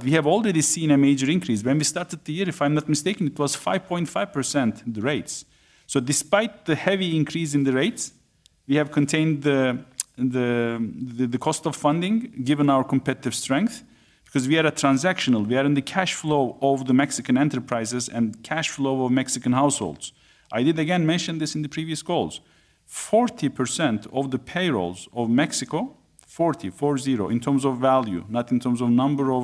We have already seen a major increase. When we started the year, if I'm not mistaken, it was 5.5%, the rates. Despite the heavy increase in the rates, we have contained the cost of funding given our competitive strength, because we are a transactional. We are in the cash flow of the Mexican enterprises and cash flow of Mexican households. I did again mention this in the previous calls. 40% of the payrolls of Mexico, in terms of value, not in terms of number of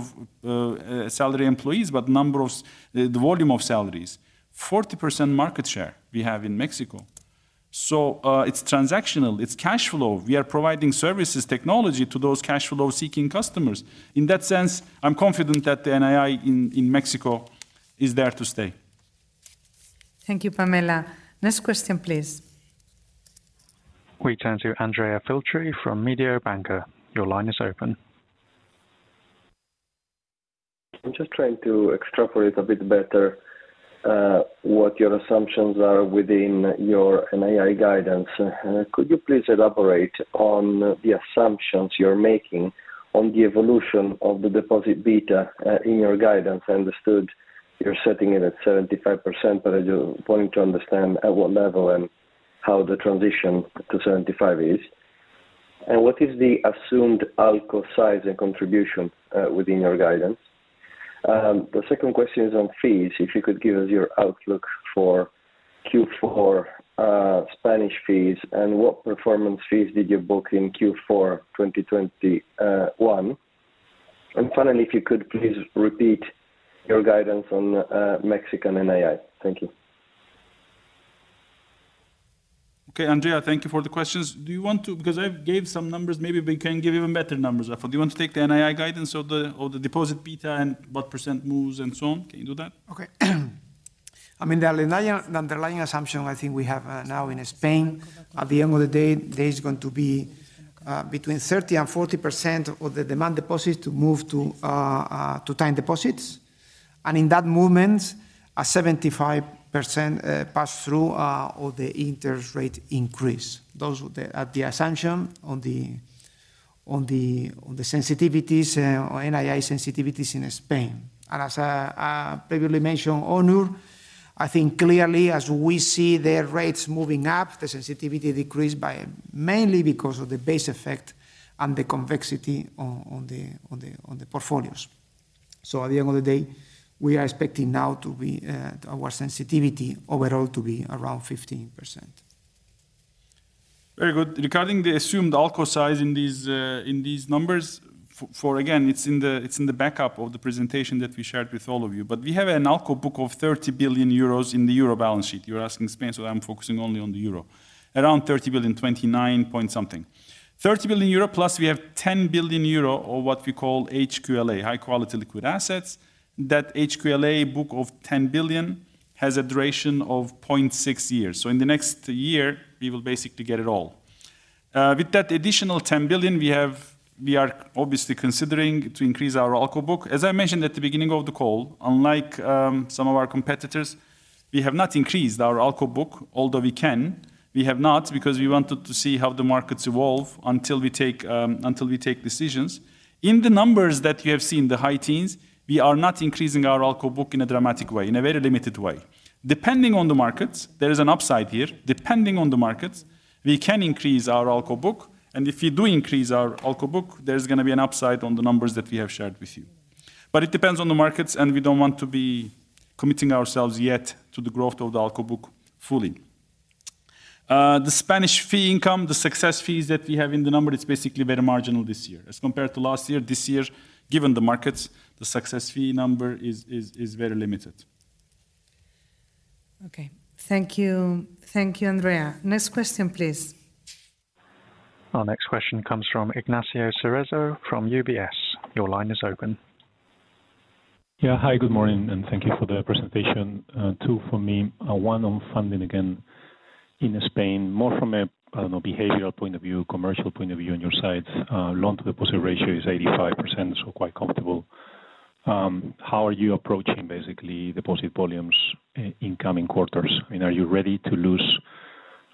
salary employees, but the volume of salaries. 40% market share we have in Mexico. It's transactional, it's cash flow. We are providing services, technology to those cash flow-seeking customers. In that sense, I'm confident that the NII in Mexico is there to stay. Thank you, Pamela. Next question, please. We turn to Andrea Filtri from Mediobanca. Your line is open. I'm just trying to extrapolate a bit better what your assumptions are within your NII guidance. Could you please elaborate on the assumptions you're making on the evolution of the deposit beta in your guidance? I understood you're setting it at 75%, but I do want to understand at what level and how the transition to 75% is. What is the assumed ALCO size and contribution within your guidance? The second question is on fees, if you could give us your outlook for Q4 Spanish fees, and what performance fees did you book in Q4 2021? Finally, if you could please repeat your guidance on Mexican NII. Thank you. Okay, Andrea, thank you for the questions. Do you want to, because I've gave some numbers, maybe we can give even better numbers. Do you want to take the NII guidance or the deposit beta and what % moves and so on? Can you do that? Okay. I mean, the underlying assumption I think we have now in Spain, at the end of the day, there is going to be between 30% and 40% of the demand deposits to move to time deposits. In that movement, a 75% pass through of the interest rate increase. Those were the assumption on the sensitivities or NII sensitivities in Spain. As I previously mentioned, Onur, I think clearly as we see their rates moving up, the sensitivity decreased mainly because of the base effect and the convexity on the portfolios. At the end of the day, we are expecting now to be our sensitivity overall to be around 15%. Very good. Regarding the assumed ALCO size in these numbers, for again, it's in the backup of the presentation that we shared with all of you. We have an ALCO book of 30 billion euros in the euro balance sheet. You're asking Spain, so I'm focusing only on the euro. Around 30 billion, 29 point something. 30 billion euro plus we have 10 billion euro or what we call HQLA, high-quality liquid assets. That HQLA book of 10 billion has a duration of 0.6 years. In the next year, we will basically get it all. With that additional 10 billion we have, we are obviously considering to increase our ALCO book. As I mentioned at the beginning of the call, unlike some of our competitors, we have not increased our ALCO book, although we can. We have not because we wanted to see how the markets evolve until we take decisions. In the numbers that you have seen, the high teens, we are not increasing our ALCO book in a dramatic way, in a very limited way. Depending on the markets, there is an upside here. Depending on the markets, we can increase our ALCO book, and if we do increase our ALCO book, there's gonna be an upside on the numbers that we have shared with you. It depends on the markets, and we don't want to be committing ourselves yet to the growth of the ALCO book fully. The Spanish fee income, the success fees that we have in the number, it's basically very marginal this year. As compared to last year, this year, given the markets, the success fee number is very limited. Okay. Thank you. Thank you, Andrea. Next question, please. Our next question comes from Ignacio Cerezo from UBS. Your line is open. Yeah. Hi, good morning, and thank you for the presentation. Two for me. One on funding again in Spain, more from a, I don't know, behavioral point of view, commercial point of view on your side. Loan-to-deposit ratio is 85%, so quite comfortable. How are you approaching basically deposit volumes in coming quarters? I mean, are you ready to lose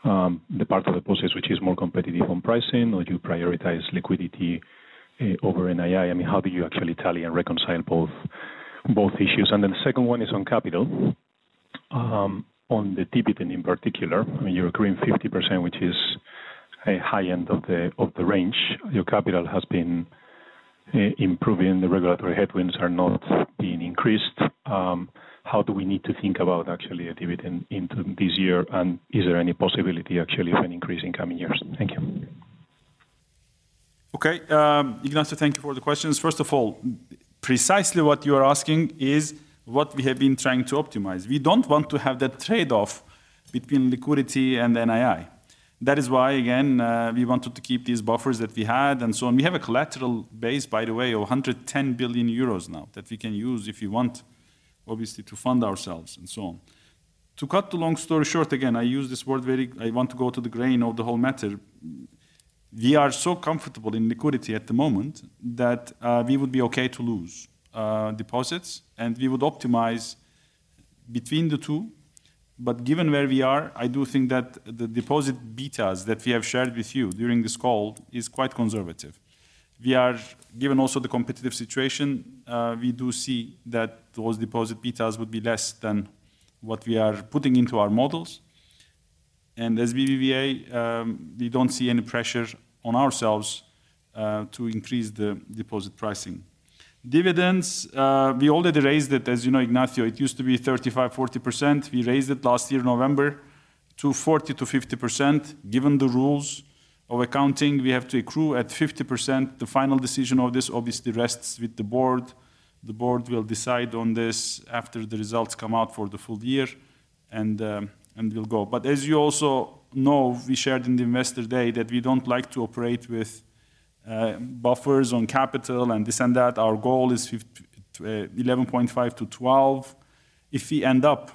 the part of deposits which is more competitive on pricing, or do you prioritize liquidity over NII? I mean, how do you actually tally and reconcile both issues? Then the second one is on capital, on the dividend in particular. I mean, you're accruing 50%, which is a high end of the range. Your capital has been improving. The regulatory headwinds are not being increased. How do we need to think about actually a dividend into this year, and is there any possibility actually of an increase in coming years? Thank you. Okay, Ignacio, thank you for the questions. First of all, precisely what you are asking is what we have been trying to optimize. We don't want to have that trade-off between liquidity and NII. That is why, again, we wanted to keep these buffers that we had and so on. We have a collateral base, by the way, of 110 billion euros now that we can use if we want, obviously, to fund ourselves and so on. To cut the long story short, again, I want to go to the grain of the whole matter. We are so comfortable in liquidity at the moment that we would be okay to lose deposits, and we would optimize between the two. Given where we are, I do think that the deposit betas that we have shared with you during this call is quite conservative. We are, given also the competitive situation, we do see that those deposit betas would be less than what we are putting into our models. As BBVA, we don't see any pressure on ourselves to increase the deposit pricing. Dividends, we already raised it. As you know, Ignacio, it used to be 35-40%. We raised it last year, November, to 40%-50%. Given the rules of accounting, we have to accrue at 50%. The final decision of this obviously rests with the board. The board will decide on this after the results come out for the full year, and we'll go. As you also know, we shared in the Investor Day that we don't like to operate with buffers on capital and this and that. Our goal is 11.5%-12%. If we end up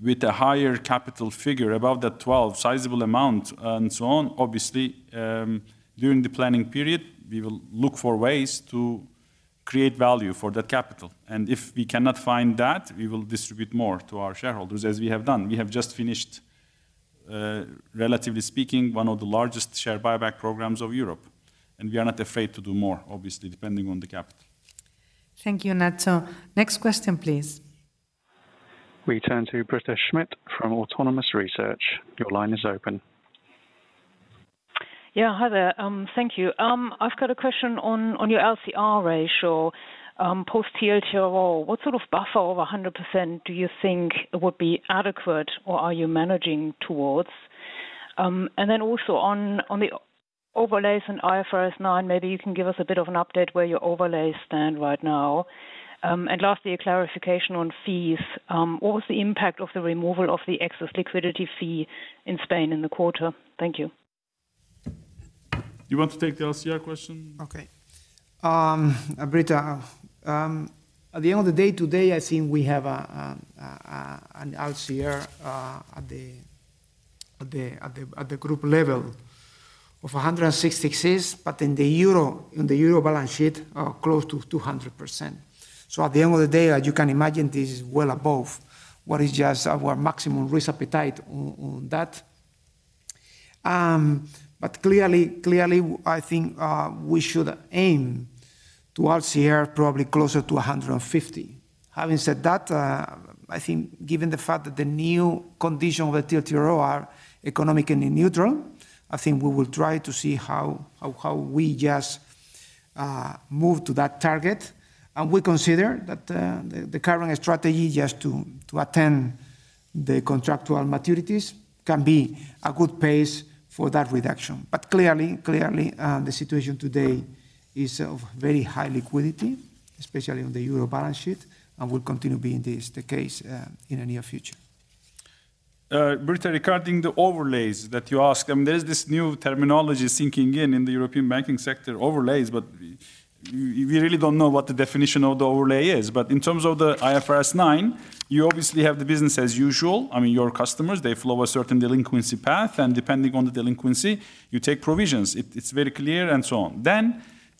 with a higher capital figure above that twelve sizable amount and so on, obviously, during the planning period, we will look for ways to create value for that capital. If we cannot find that, we will distribute more to our shareholders as we have done. We have just finished, relatively speaking, one of the largest share buyback programs of Europe, and we are not afraid to do more, obviously, depending on the capital. Thank you, Ignacio. Next question, please. We turn to Britta Schmidt from Autonomous Research. Your line is open. Yeah. Hi there. Thank you. I've got a question on your LCR ratio post TLTRO. What sort of buffer over 100% do you think would be adequate or are you managing towards? Also on the overlays in IFRS 9, maybe you can give us a bit of an update where your overlays stand right now. Lastly, a clarification on fees. What was the impact of the removal of the excess liquidity fee in Spain in the quarter? Thank you. You want to take the LCR question? Britta, at the end of the day today, I think we have an LCR at the group level of 106%, but in the euro balance sheet close to 200%. At the end of the day, as you can imagine, this is well above what is just our maximum risk appetite on that. But clearly I think we should aim to LCR probably closer to 150%. Having said that, I think given the fact that the new condition of the TLTRO are economically neutral, I think we will try to see how we move to that target. We consider that the current strategy just to attend the contractual maturities can be a good pace for that reduction. Clearly, the situation today is of very high liquidity, especially on the euro balance sheet, and will continue being this the case in the near future. Britta, regarding the overlays that you ask, there's this new terminology sinking in in the European banking sector, overlays, but we really don't know what the definition of the overlay is. In terms of the IFRS 9, you obviously have the business as usual. I mean, your customers, they follow a certain delinquency path, and depending on the delinquency, you take provisions. It's very clear, and so on.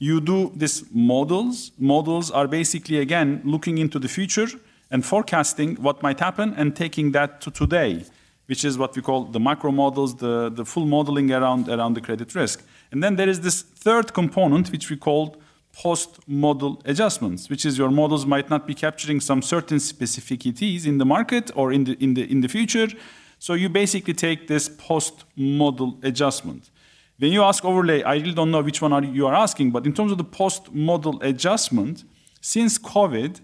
You do these models. Models are basically, again, looking into the future and forecasting what might happen and taking that to today, which is what we call the micro models, the full modeling around the credit risk. There is this third component, which we call post-model adjustments, which is your models might not be capturing some certain specificities in the market or in the future. You basically take this post-model adjustment. When you ask overlay, I really don't know which one you are asking, but in terms of the post-model adjustment, since COVID,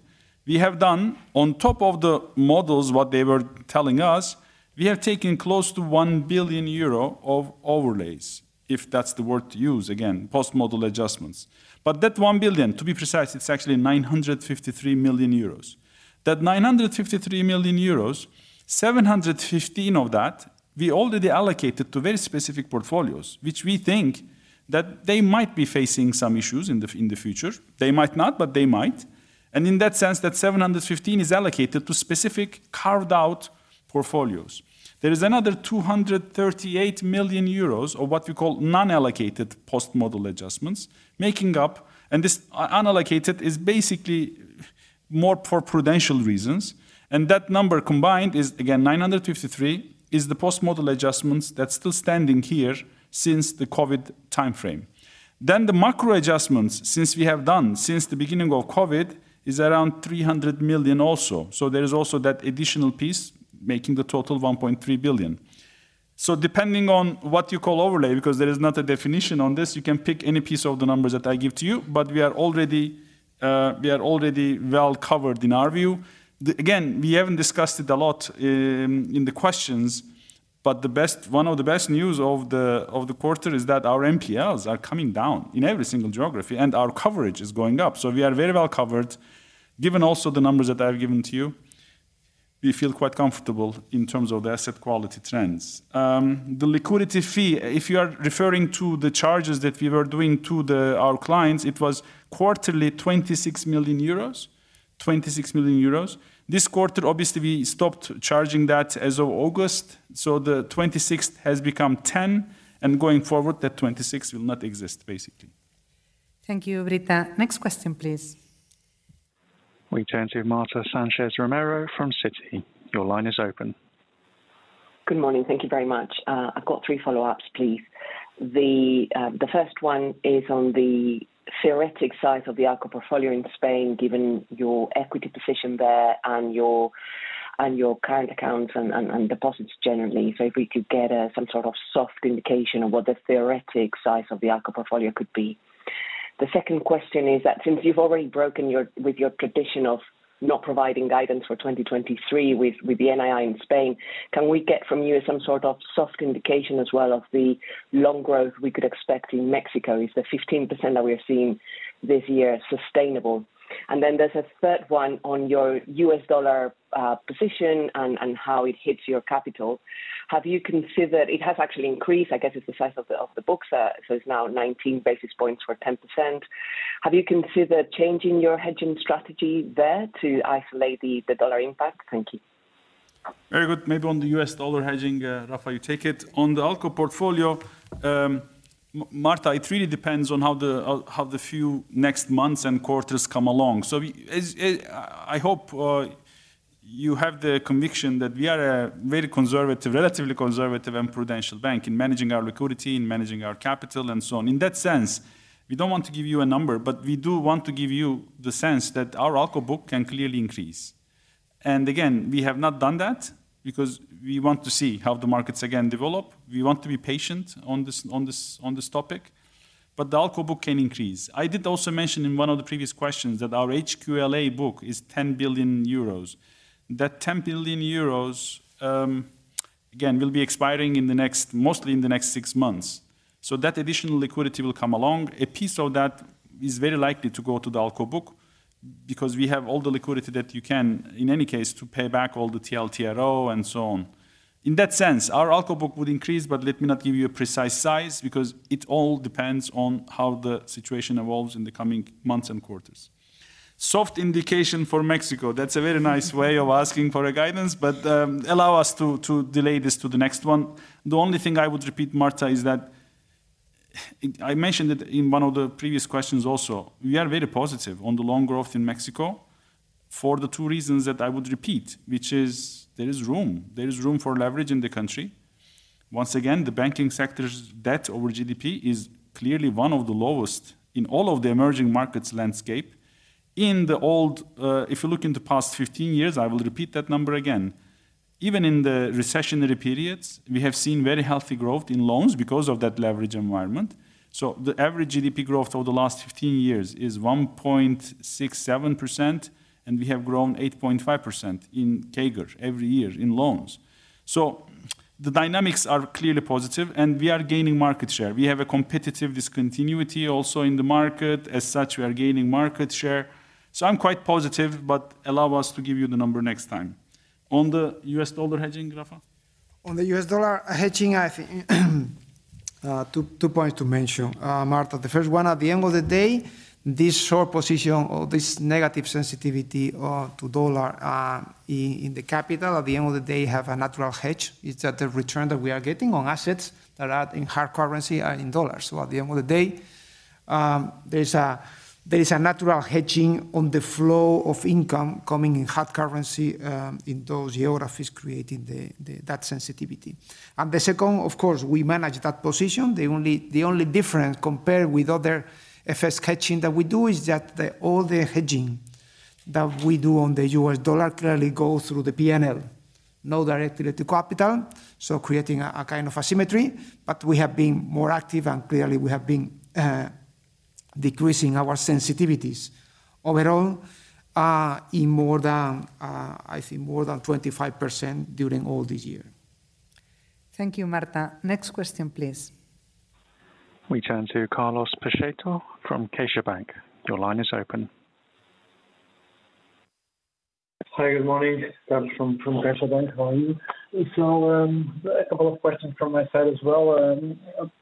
we have done on top of the models, what they were telling us, we have taken close to 1 billion euro of overlays, if that's the word to use, again, post-model adjustments. That one billion, to be precise, it's actually 953 million euros. That 953 million euros, 715 of that we already allocated to very specific portfolios, which we think that they might be facing some issues in the future. They might not, but they might. In that sense, that 715 is allocated to specific carved-out portfolios. There is another 238 million euros of what we call non-allocated post-model adjustments making up. This unallocated is basically more for prudential reasons. That number combined is again 953, is the post-model adjustments that's still standing here since the COVID timeframe. The macro adjustments since the beginning of COVID is around 300 million also. There is also that additional piece making the total 1.3 billion. Depending on what you call overlay, because there is not a definition on this, you can pick any piece of the numbers that I give to you, but we are already well covered in our view. Again, we haven't discussed it a lot in the questions, but the best. One of the best news of the quarter is that our NPLs are coming down in every single geography, and our coverage is going up. We are very well covered. Given also the numbers that I've given to you, we feel quite comfortable in terms of the asset quality trends. The liquidity fee, if you are referring to the charges that we were doing to our clients, it was quarterly 26 million euros. This quarter, obviously, we stopped charging that as of August, so the 26 has become 10, and going forward, that 26 will not exist, basically. Thank you, Britta. Next question, please. We turn to Marta Sánchez Romero from Citi. Your line is open. Good morning. Thank you very much. I've got three follow-ups, please. The first one is on the theoretical size of the ALCO portfolio in Spain, given your equity position there and your current accounts and deposits generally. If we could get some sort of soft indication of what the theoretical size of the ALCO portfolio could be. The second question is that since you've already broken your tradition of not providing guidance for 2023 with the NII in Spain, can we get from you some sort of soft indication as well of the loan growth we could expect in Mexico? Is the 15% that we're seeing this year sustainable? There's a third one on your US dollar position and how it hits your capital. Have you considered... It has actually increased, I guess it's the size of the books. So it's now 19 basis points for 10%. Have you considered changing your hedging strategy there to isolate the dollar impact? Thank you. Very good. Maybe on the US dollar hedging, Rafa, you take it. On the ALCO portfolio, Marta, it really depends on how the few next months and quarters come along. I hope you have the conviction that we are a very conservative, relatively conservative and prudential bank in managing our liquidity, in managing our capital, and so on. In that sense, we don't want to give you a number, but we do want to give you the sense that our ALCO book can clearly increase. Again, we have not done that because we want to see how the markets again develop. We want to be patient on this topic. But the ALCO book can increase. I did also mention in one of the previous questions that our HQLA book is 10 billion euros. That 10 billion euros, again, will be expiring in the next, mostly in the next six months. That additional liquidity will come along. A piece of that is very likely to go to the ALCO book because we have all the liquidity that you can, in any case, to pay back all the TLTRO and so on. In that sense, our ALCO book would increase, but let me not give you a precise size because it all depends on how the situation evolves in the coming months and quarters. Soft indication for Mexico. That's a very nice way of asking for a guidance, but, allow us to delay this to the next one. The only thing I would repeat, Martha, is that I mentioned it in one of the previous questions also. We are very positive on the loan growth in Mexico for the 2 reasons that I would repeat, which is there is room. There is room for leverage in the country. Once again, the banking sector's debt over GDP is clearly one of the lowest in all of the emerging markets landscape. If you look in the past 15 years, I will repeat that number again. Even in the recessionary periods, we have seen very healthy growth in loans because of that leverage environment. The average GDP growth over the last 15 years is 1.67%, and we have grown 8.5% in CAGR every year in loans. The dynamics are clearly positive, and we are gaining market share. We have a competitive discontinuity also in the market. As such, we are gaining market share. I'm quite positive, but allow us to give you the number next time. On the U.S. dollar hedging, Rafa? On the US dollar hedging, I think two points to mention, Martha. The first one, at the end of the day, this short position or this negative sensitivity to dollar in the capital, at the end of the day, have a natural hedge. It's that the return that we are getting on assets that are in hard currency are in dollars. So at the end of the day, there is a natural hedging on the flow of income coming in hard currency in those geographies creating that sensitivity. The second, of course, we manage that position. The only difference compared with other FX hedging that we do is that all the hedging that we do on the US dollar clearly goes through the P&L, not directly to capital, so creating a kind of asymmetry. We have been more active, and clearly we have been decreasing our sensitivities overall, in more than, I think more than 25% during all this year. Thank you, Martha. Next question, please. We turn to Carlos Peixoto from CaixaBank. Your line is open. Hi, good morning. Carlos from CaixaBank. How are you? A couple of questions from my side as well.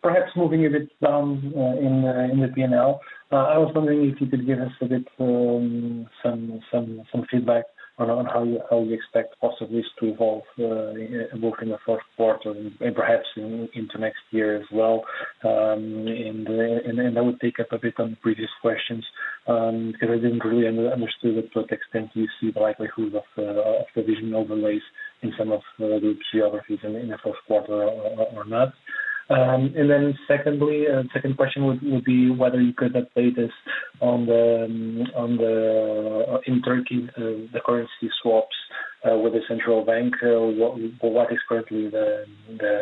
Perhaps moving a bit down in the P&L. I was wondering if you could give us a bit some feedback on how you expect cost of risk to evolve both in the fourth quarter and perhaps into next year as well. Then I would pick up a bit on previous questions, 'cause I didn't really understand to what extent you see the likelihood of the provision overlays in some of the geographies in the fourth quarter or not. Secondly, second question would be whether you could update us on the currency swaps in Turkey with the central bank. What is currently the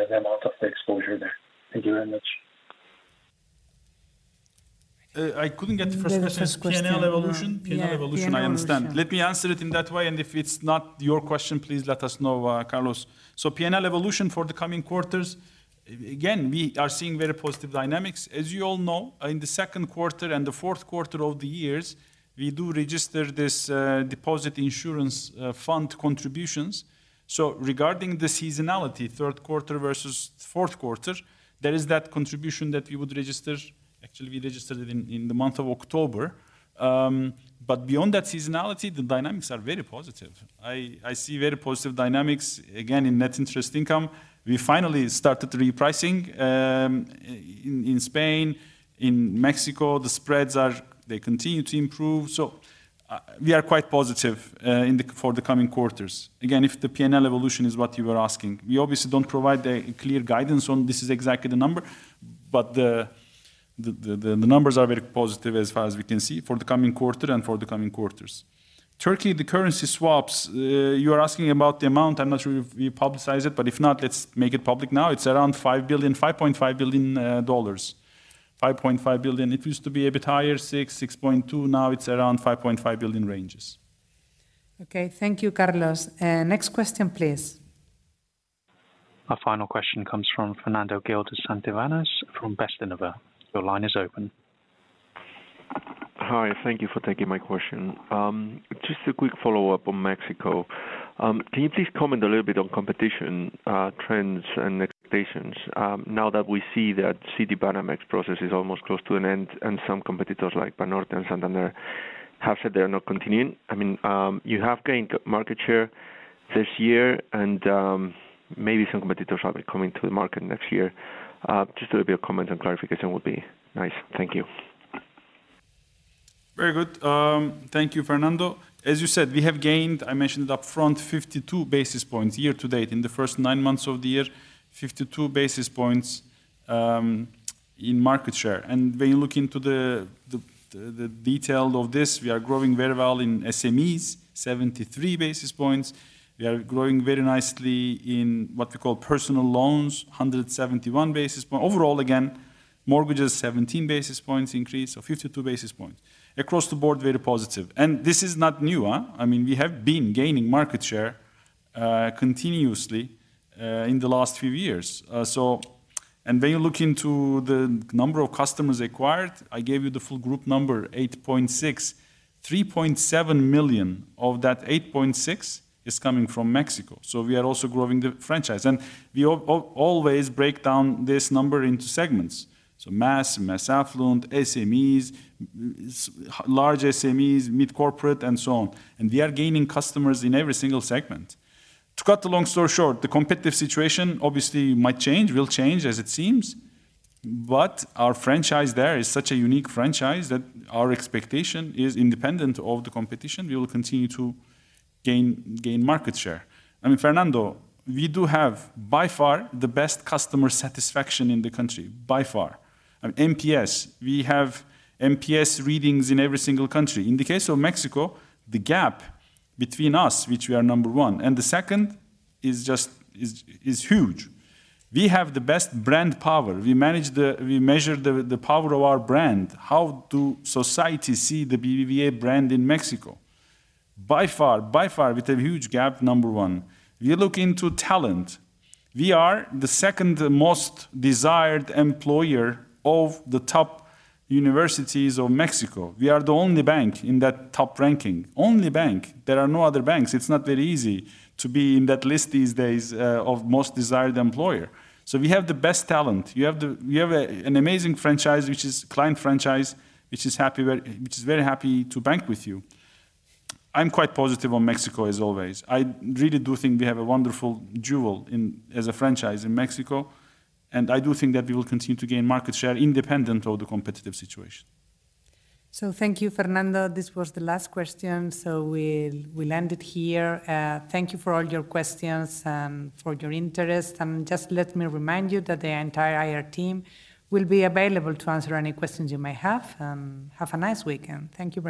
amount of the exposure there? Thank you very much. I couldn't get the first question. The first question. P&L evolution? Yeah. P&L evolution, I understand. Let me answer it in that way, and if it's not your question, please let us know, Carlos. P&L evolution for the coming quarters, again, we are seeing very positive dynamics. As you all know, in the second quarter and the fourth quarter of the years, we do register this deposit insurance fund contributions. Regarding the seasonality, third quarter versus fourth quarter, there is that contribution that we would register. Actually, we registered it in the month of October. Beyond that seasonality, the dynamics are very positive. I see very positive dynamics, again, in net interest income. We finally started repricing in Spain. In Mexico, the spreads continue to improve. We are quite positive for the coming quarters. Again, if the P&L evolution is what you were asking. We obviously don't provide a clear guidance on this is exactly the number, but the numbers are very positive as far as we can see for the coming quarter and for the coming quarters. Turkey, the currency swaps, you are asking about the amount. I'm not sure if we publicized it, but if not, let's make it public now. It's around $5 billion, $5.5 billion, dollars. $5.5 billion. It used to be a bit higher, $6.2. Now it's around $5.5 billion ranges. Okay. Thank you, Carlos. Next question, please. Our final question comes from Fernando Gil de Santivañes from Bestinver. Your line is open. Hi, thank you for taking my question. Just a quick follow-up on Mexico. Can you please comment a little bit on competition, trends and expectations, now that we see that Citibanamex process is almost close to an end and some competitors like Banorte and Santander have said they are not continuing? I mean, you have gained market share this year and, maybe some competitors are coming to the market next year. Just a little bit of comment and clarification would be nice. Thank you. Very good. Thank you, Fernando. As you said, we have gained, I mentioned it up front, 52 basis points year to date. In the first nine months of the year, 52 basis points in market share. When you look into the detail of this, we are growing very well in SMEs, 73 basis points. We are growing very nicely in what we call personal loans, 171 basis points. Overall, again, mortgages 17 basis points increase, so 52 basis points. Across the board, very positive. This is not new, huh? I mean, we have been gaining market share continuously in the last few years. When you look into the number of customers acquired, I gave you the full group number, 8.6. 3.7 million of that 8.6 is coming from Mexico, so we are also growing the franchise. We always break down this number into segments, so mass affluent, SMEs, s-large SMEs, mid-corporate, and so on. We are gaining customers in every single segment. To cut a long story short, the competitive situation obviously might change, will change as it seems, but our franchise there is such a unique franchise that our expectation is independent of the competition. We will continue to gain market share. I mean, Fernando, we do have by far the best customer satisfaction in the country, by far. NPS, we have NPS readings in every single country. In the case of Mexico, the gap between us, which we are number one, and the second is just huge. We have the best brand power. We measure the power of our brand. How does society see the BBVA brand in Mexico? By far, with a huge gap, number one. If you look into talent, we are the second most desired employer of the top universities of Mexico. We are the only bank in that top ranking. Only bank. There are no other banks. It's not very easy to be in that list these days, of most desired employer. We have the best talent. You have an amazing franchise, which is client franchise, which is very happy to bank with you. I'm quite positive on Mexico as always. I really do think we have a wonderful jewel as a franchise in Mexico, and I do think that we will continue to gain market share independent of the competitive situation. Thank you, Fernando. This was the last question, so we'll end it here. Thank you for all your questions and for your interest. Just let me remind you that the entire IR team will be available to answer any questions you may have. Have a nice weekend. Thank you very much.